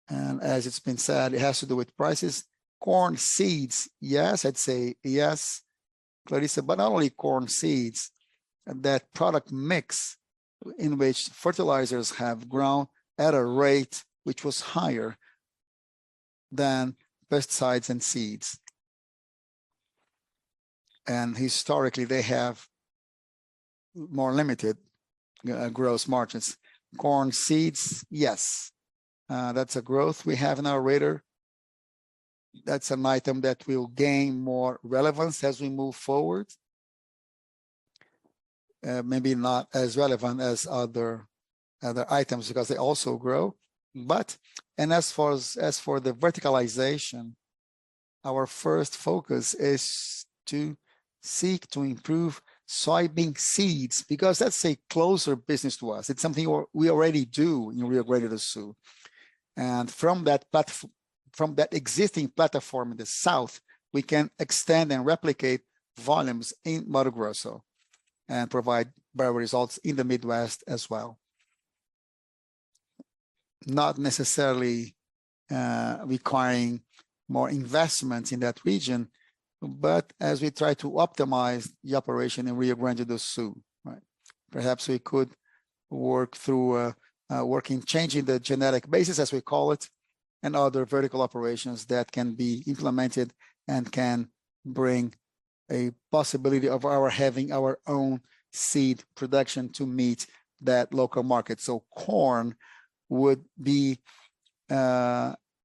And as it's been said, it has to do with prices. Corn seeds, yes, I'd say yes, Larissa, but not only corn seeds. That product mix in which fertilizers have grown at a rate which was higher than pesticides and seeds. Historically, they have more limited gross margins. Corn seeds, yes, that's a growth we have in our radar. That's an item that will gain more relevance as we move forward. Maybe not as relevant as other items because they also grow. But as far as, as for the verticalization, our first focus is to seek to improve soybean seeds, because that's a closer business to us. It's something we already do in Rio Grande do Sul. And from that existing platform in the South, we can extend and replicate volumes in Mato Grosso and provide better results in the Midwest as well. Not necessarily, requiring more investments in that region, but as we try to optimize the operation in Rio Grande do Sul, right? Perhaps we could work through, working, changing the genetic basis, as we call it, and other vertical operations that can be implemented and can bring a possibility of our having our own seed production to meet that local market. So corn would be,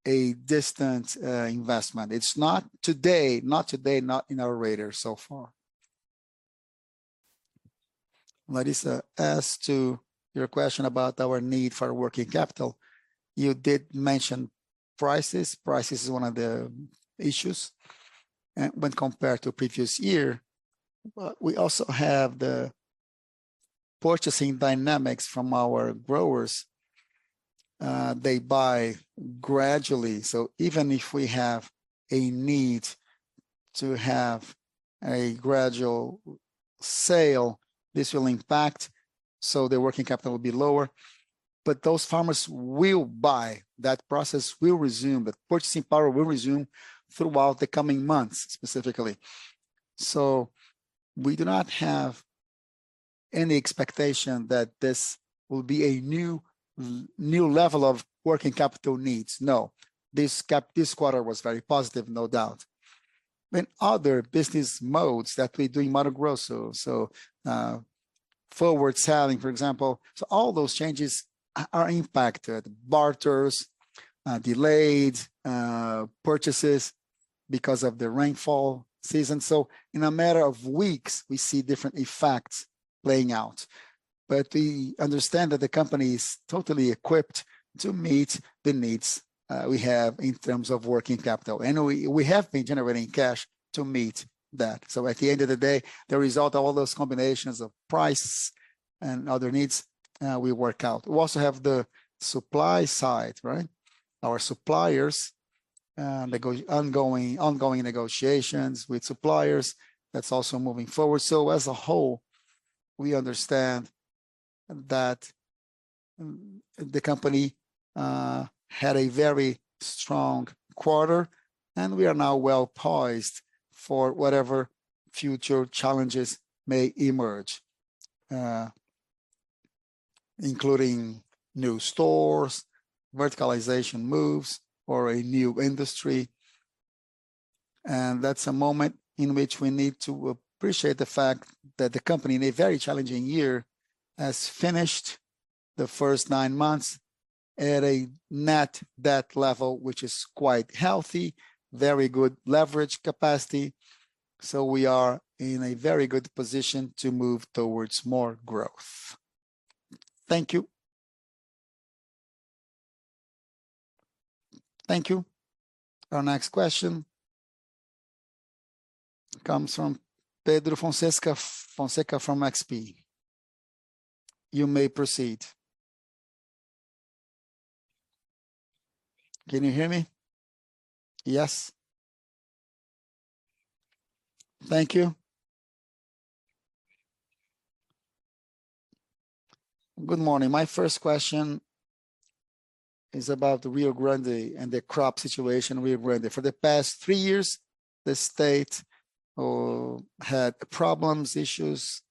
a distant, investment. It's not today, not today, not in our radar so far. Larissa, as to your question about our need for working capital, you did mention prices. Prices is one of the issues, when compared to previous year, but we also have the purchasing dynamics from our growers. They buy gradually, so even if we have a need to have a gradual sale, this will impact, so the working capital will be lower. But those farmers will buy, that process will resume, the purchasing power will resume throughout the coming months, specifically. So we do not have any expectation that this will be a new, new level of working capital needs. No, this quarter was very positive, no doubt. And other business modes that we do in Mato Grosso, so, forward selling, for example. So all those changes are impacted, barters, delayed, purchases because of the rainfall season. So in a matter of weeks, we see different effects playing out. But we understand that the company is totally equipped to meet the needs, we have in terms of working capital, and we, we have been generating cash to meet that. So at the end of the day, the result of all those combinations of price and other needs, will work out. We also have the supply side, right? Our suppliers, ongoing negotiations with suppliers, that's also moving forward. So as a whole, we understand that the company had a very strong quarter, and we are now well poised for whatever future challenges may emerge, including new stores, verticalization moves, or a new industry. And that's a moment in which we need to appreciate the fact that the company, in a very challenging year, has finished the first nine months at a net debt level, which is quite healthy, very good leverage capacity. So we are in a very good position to move towards more growth.
Thank you.
Thank you. Our next question comes from Pedro Fonseca from XP. You may proceed. Can you hear me?
Yes. Thank you. Good morning. My first question is about the Rio Grande and the crop situation, Rio Grande. For the past three years, the state had problems, issues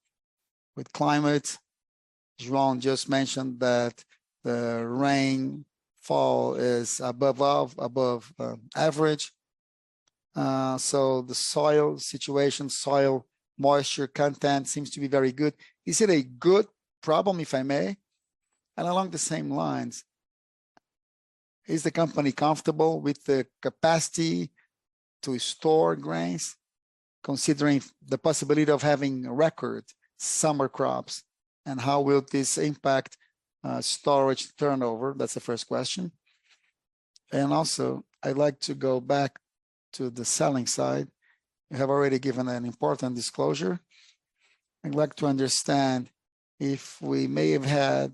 with climate. João just mentioned that the rainfall is above average. So the soil situation, soil moisture content seems to be very good. Is it a good problem, if I may? And along the same lines, is the company comfortable with the capacity to store grains, considering the possibility of having record summer crops? And how will this impact storage turnover? That's the first question. And also, I'd like to go back to the selling side. You have already given an important disclosure. I'd like to understand if we may have had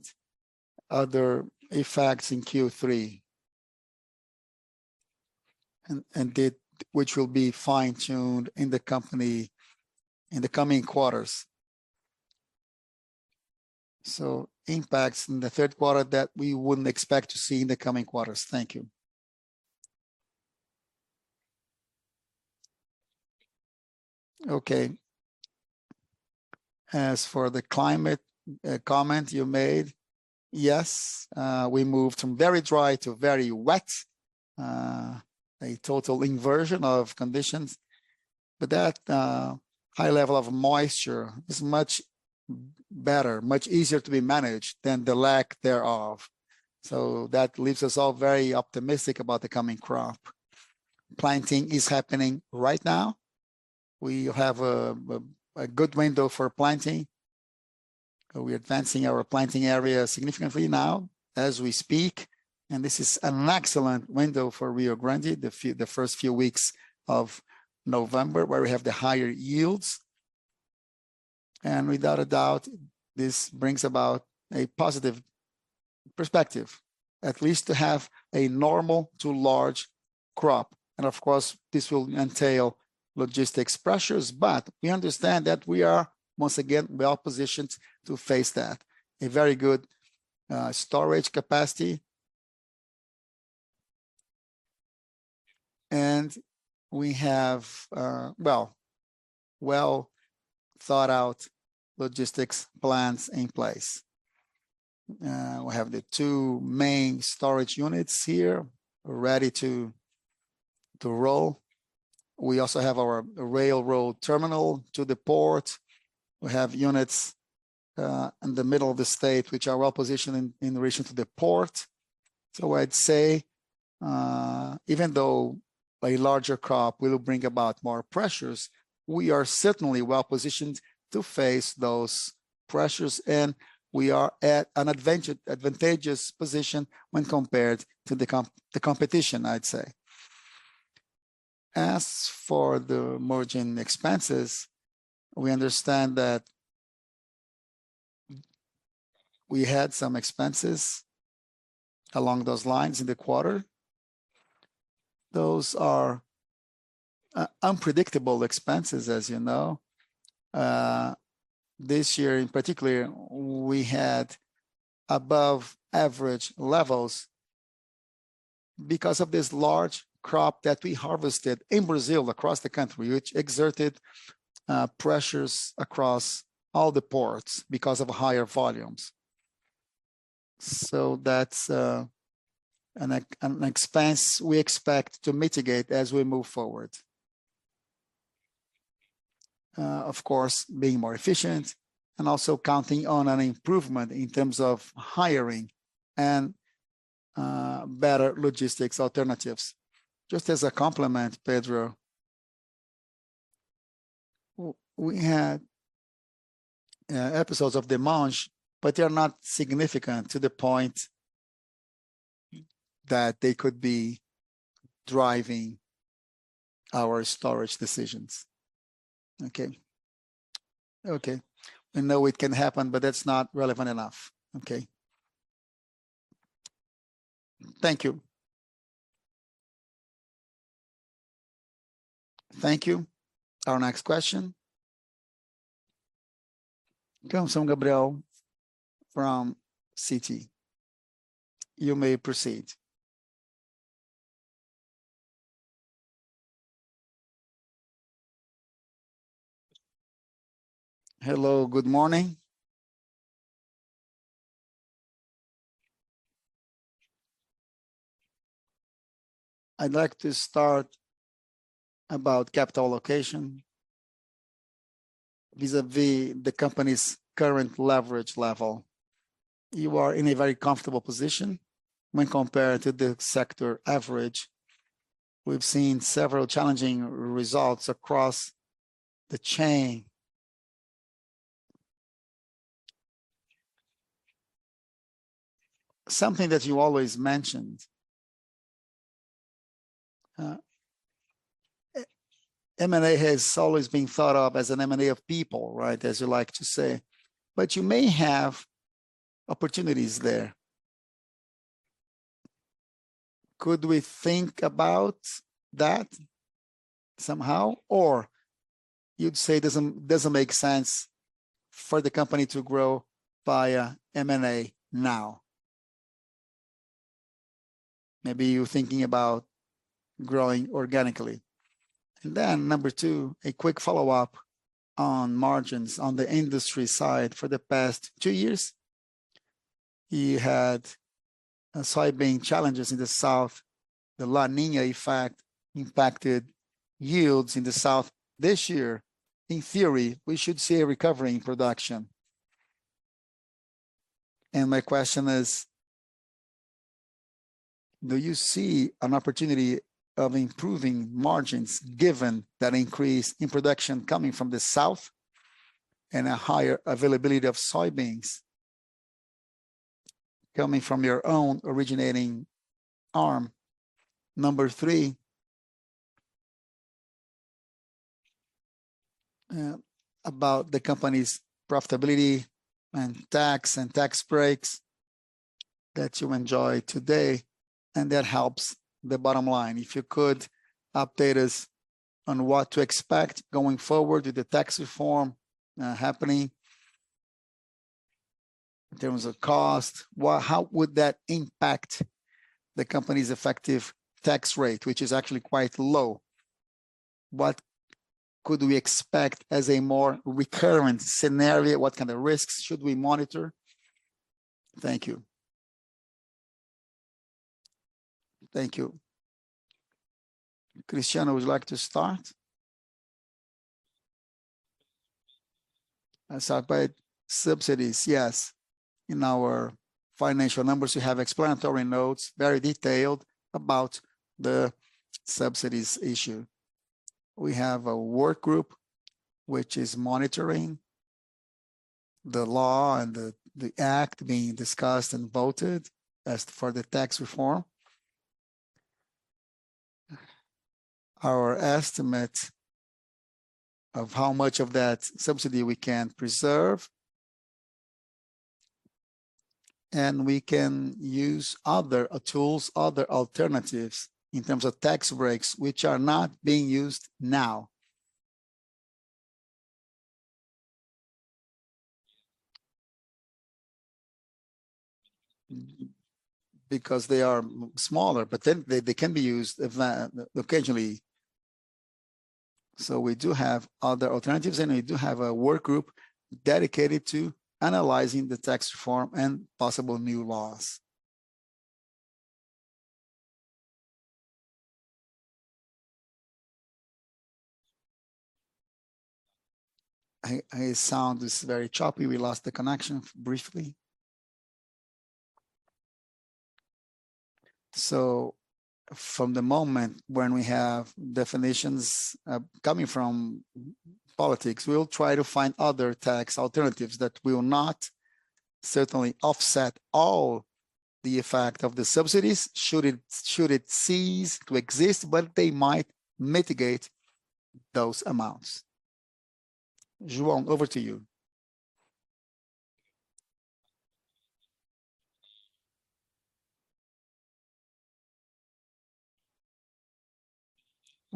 other effects in Q3, and which will be fine-tuned in the company in the coming quarters. So impacts in the third quarter that we wouldn't expect to see in the coming quarters. Thank you.
Okay. As for the climate comment you made, yes, we moved from very dry to very wet, a total inversion of conditions, but that high level of moisture is much better, much easier to be managed than the lack thereof. So that leaves us all very optimistic about the coming crop. Planting is happening right now. We have a good window for planting. We're advancing our planting area significantly now as we speak, and this is an excellent window for Rio Grande, the first few weeks of November, where we have the higher yields. And without a doubt, this brings about a positive perspective, at least to have a normal to large crop. And of course, this will entail logistics pressures, but we understand that we are, once again, well-positioned to face that. A very good storage capacity, and we have well, well-thought-out logistics plans in place. We have the two main storage units here ready to roll. We also have our railroad terminal to the port. We have units in the middle of the state, which are well positioned in relation to the port. So I'd say even though a larger crop will bring about more pressures, we are certainly well positioned to face those pressures, and we are at an advantage- advantageous position when compared to the comp, the competition, I'd say. As for the margin expenses, we understand that we had some expenses along those lines in the quarter. Those are unpredictable expenses, as you know. This year in particular, we had above average levels because of this large crop that we harvested in Brazil, across the country, which exerted pressures across all the ports because of higher volumes. So that's an expense we expect to mitigate as we move forward. Of course, being more efficient and also counting on an improvement in terms of hiring and better logistics alternatives. Just as a complement, Pedro, we had episodes of demand, but they are not significant to the point that they could be driving our storage decisions.
Okay?
Okay. I know it can happen, but that's not relevant enough.
Okay. Thank you.
Thank you. Our next question comes from Gabriel from Citi. You may proceed.
Hello, good morning. I'd like to start about capital allocation vis-a-vis the company's current leverage level.
You are in a very comfortable position when compared to the sector average. We've seen several challenging results across the chain. Something that you always mentioned, M&A has always been thought of as an M&A of people, right? As you like to say, but you may have opportunities there. Could we think about that somehow? Or you'd say it doesn't, doesn't make sense for the company to grow via M&A now. Maybe you're thinking about growing organically. And then number two, a quick follow-up on margins. On the industry side, for the past two years, you had soybean challenges in the South. The La Niña effect impacted yields in the South this year. In theory, we should see a recovery in production.
My question is: Do you see an opportunity of improving margins, given that increase in production coming from the South and a higher availability of soybeans coming from your own originating arm?
Number three, about the company's profitability and tax, and tax breaks that you enjoy today, and that helps the bottom line. If you could update us on what to expect going forward with the tax reform, happening in terms of cost, how would that impact the company's effective tax rate, which is actually quite low? What could we expect as a more recurrent scenario? What kind of risks should we monitor? Thank you.
Thank you. Cristiano, would you like to start? I'll start by subsidies. Yes, in our financial numbers, we have explanatory notes, very detailed about the subsidies issue.
We have a work group which is monitoring the law and the act being discussed and voted as for the tax reform. Our estimate of how much of that subsidy we can preserve, and we can use other tools, other alternatives in terms of tax breaks, which are not being used now. Because they are smaller, but they can be used occasionally. So we do have other alternatives, and we do have a work group dedicated to analyzing the tax reform and possible new laws. I sound very choppy. We lost the connection briefly. So from the moment when we have definitions coming from politics, we'll try to find other tax alternatives that will not certainly offset all the effect of the subsidies, should it cease to exist, but they might mitigate those amounts. João, over to you.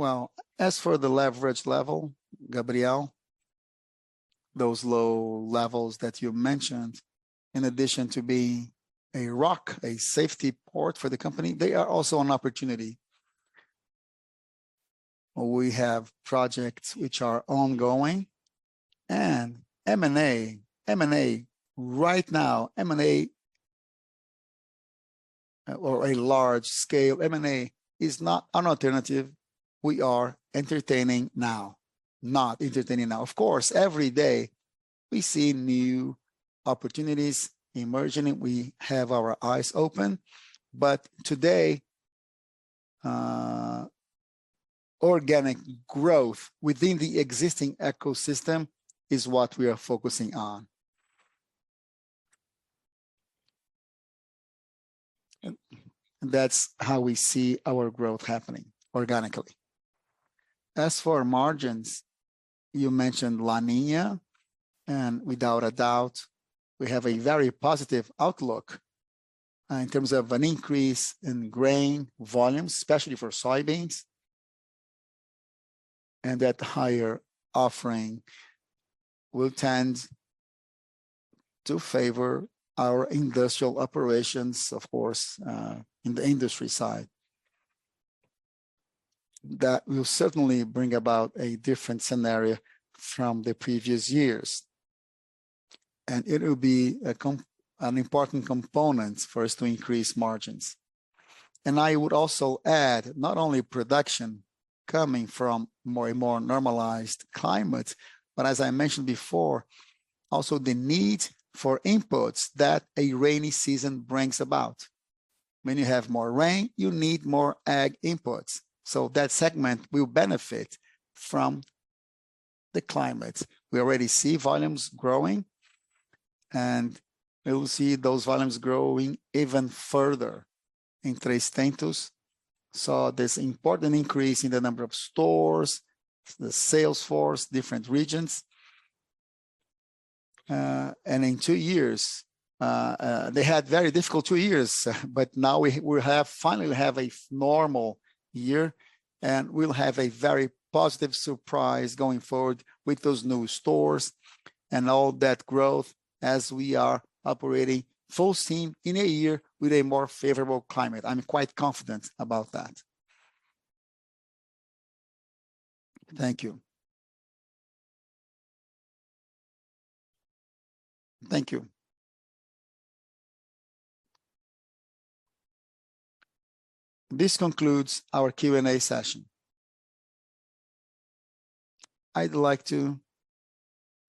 Well, as for the leverage level, Gabriel, those low levels that you mentioned, in addition to being a rock, a safety port for the company, they are also an opportunity. We have projects which are ongoing, and M&A, M&A right now, M&A, or a large scale M&A, is not an alternative we are entertaining now, not entertaining now. Of course, every day we see new opportunities emerging. We have our eyes open, but today, organic growth within the existing ecosystem is what we are focusing on. And that's how we see our growth happening, organically. As for margins, you mentioned La Niña, and without a doubt, we have a very positive outlook in terms of an increase in grain volume, especially for soybeans. And that higher offering will tend to favor our industrial operations, of course, in the industry side.... that will certainly bring about a different scenario from the previous years, and it will be an important component for us to increase margins. And I would also add, not only production coming from more and more normalized climate, but as I mentioned before, also the need for inputs that a rainy season brings about. When you have more rain, you need more ag inputs, so that segment will benefit from the climate. We already see volumes growing, and we will see those volumes growing even further in Três Tentos. This important increase in the number of stores, the sales force, different regions, and in 2 years, they had very difficult 2 years, but now we have finally have a normal year, and we'll have a very positive surprise going forward with those new stores and all that growth as we are operating full steam in a year with a more favorable climate. I'm quite confident about that.
Thank you.
Thank you. This concludes our Q&A session. I'd like to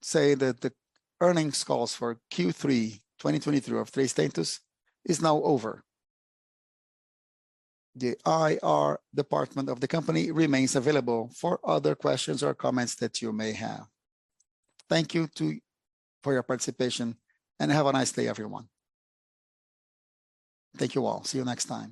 say that the earnings calls for Q3 2023 Três Tentos is now over. The IR department of the company remains available for other questions or comments that you may have. Thank you for your participation, and have a nice day, everyone. Thank you, all. See you next time.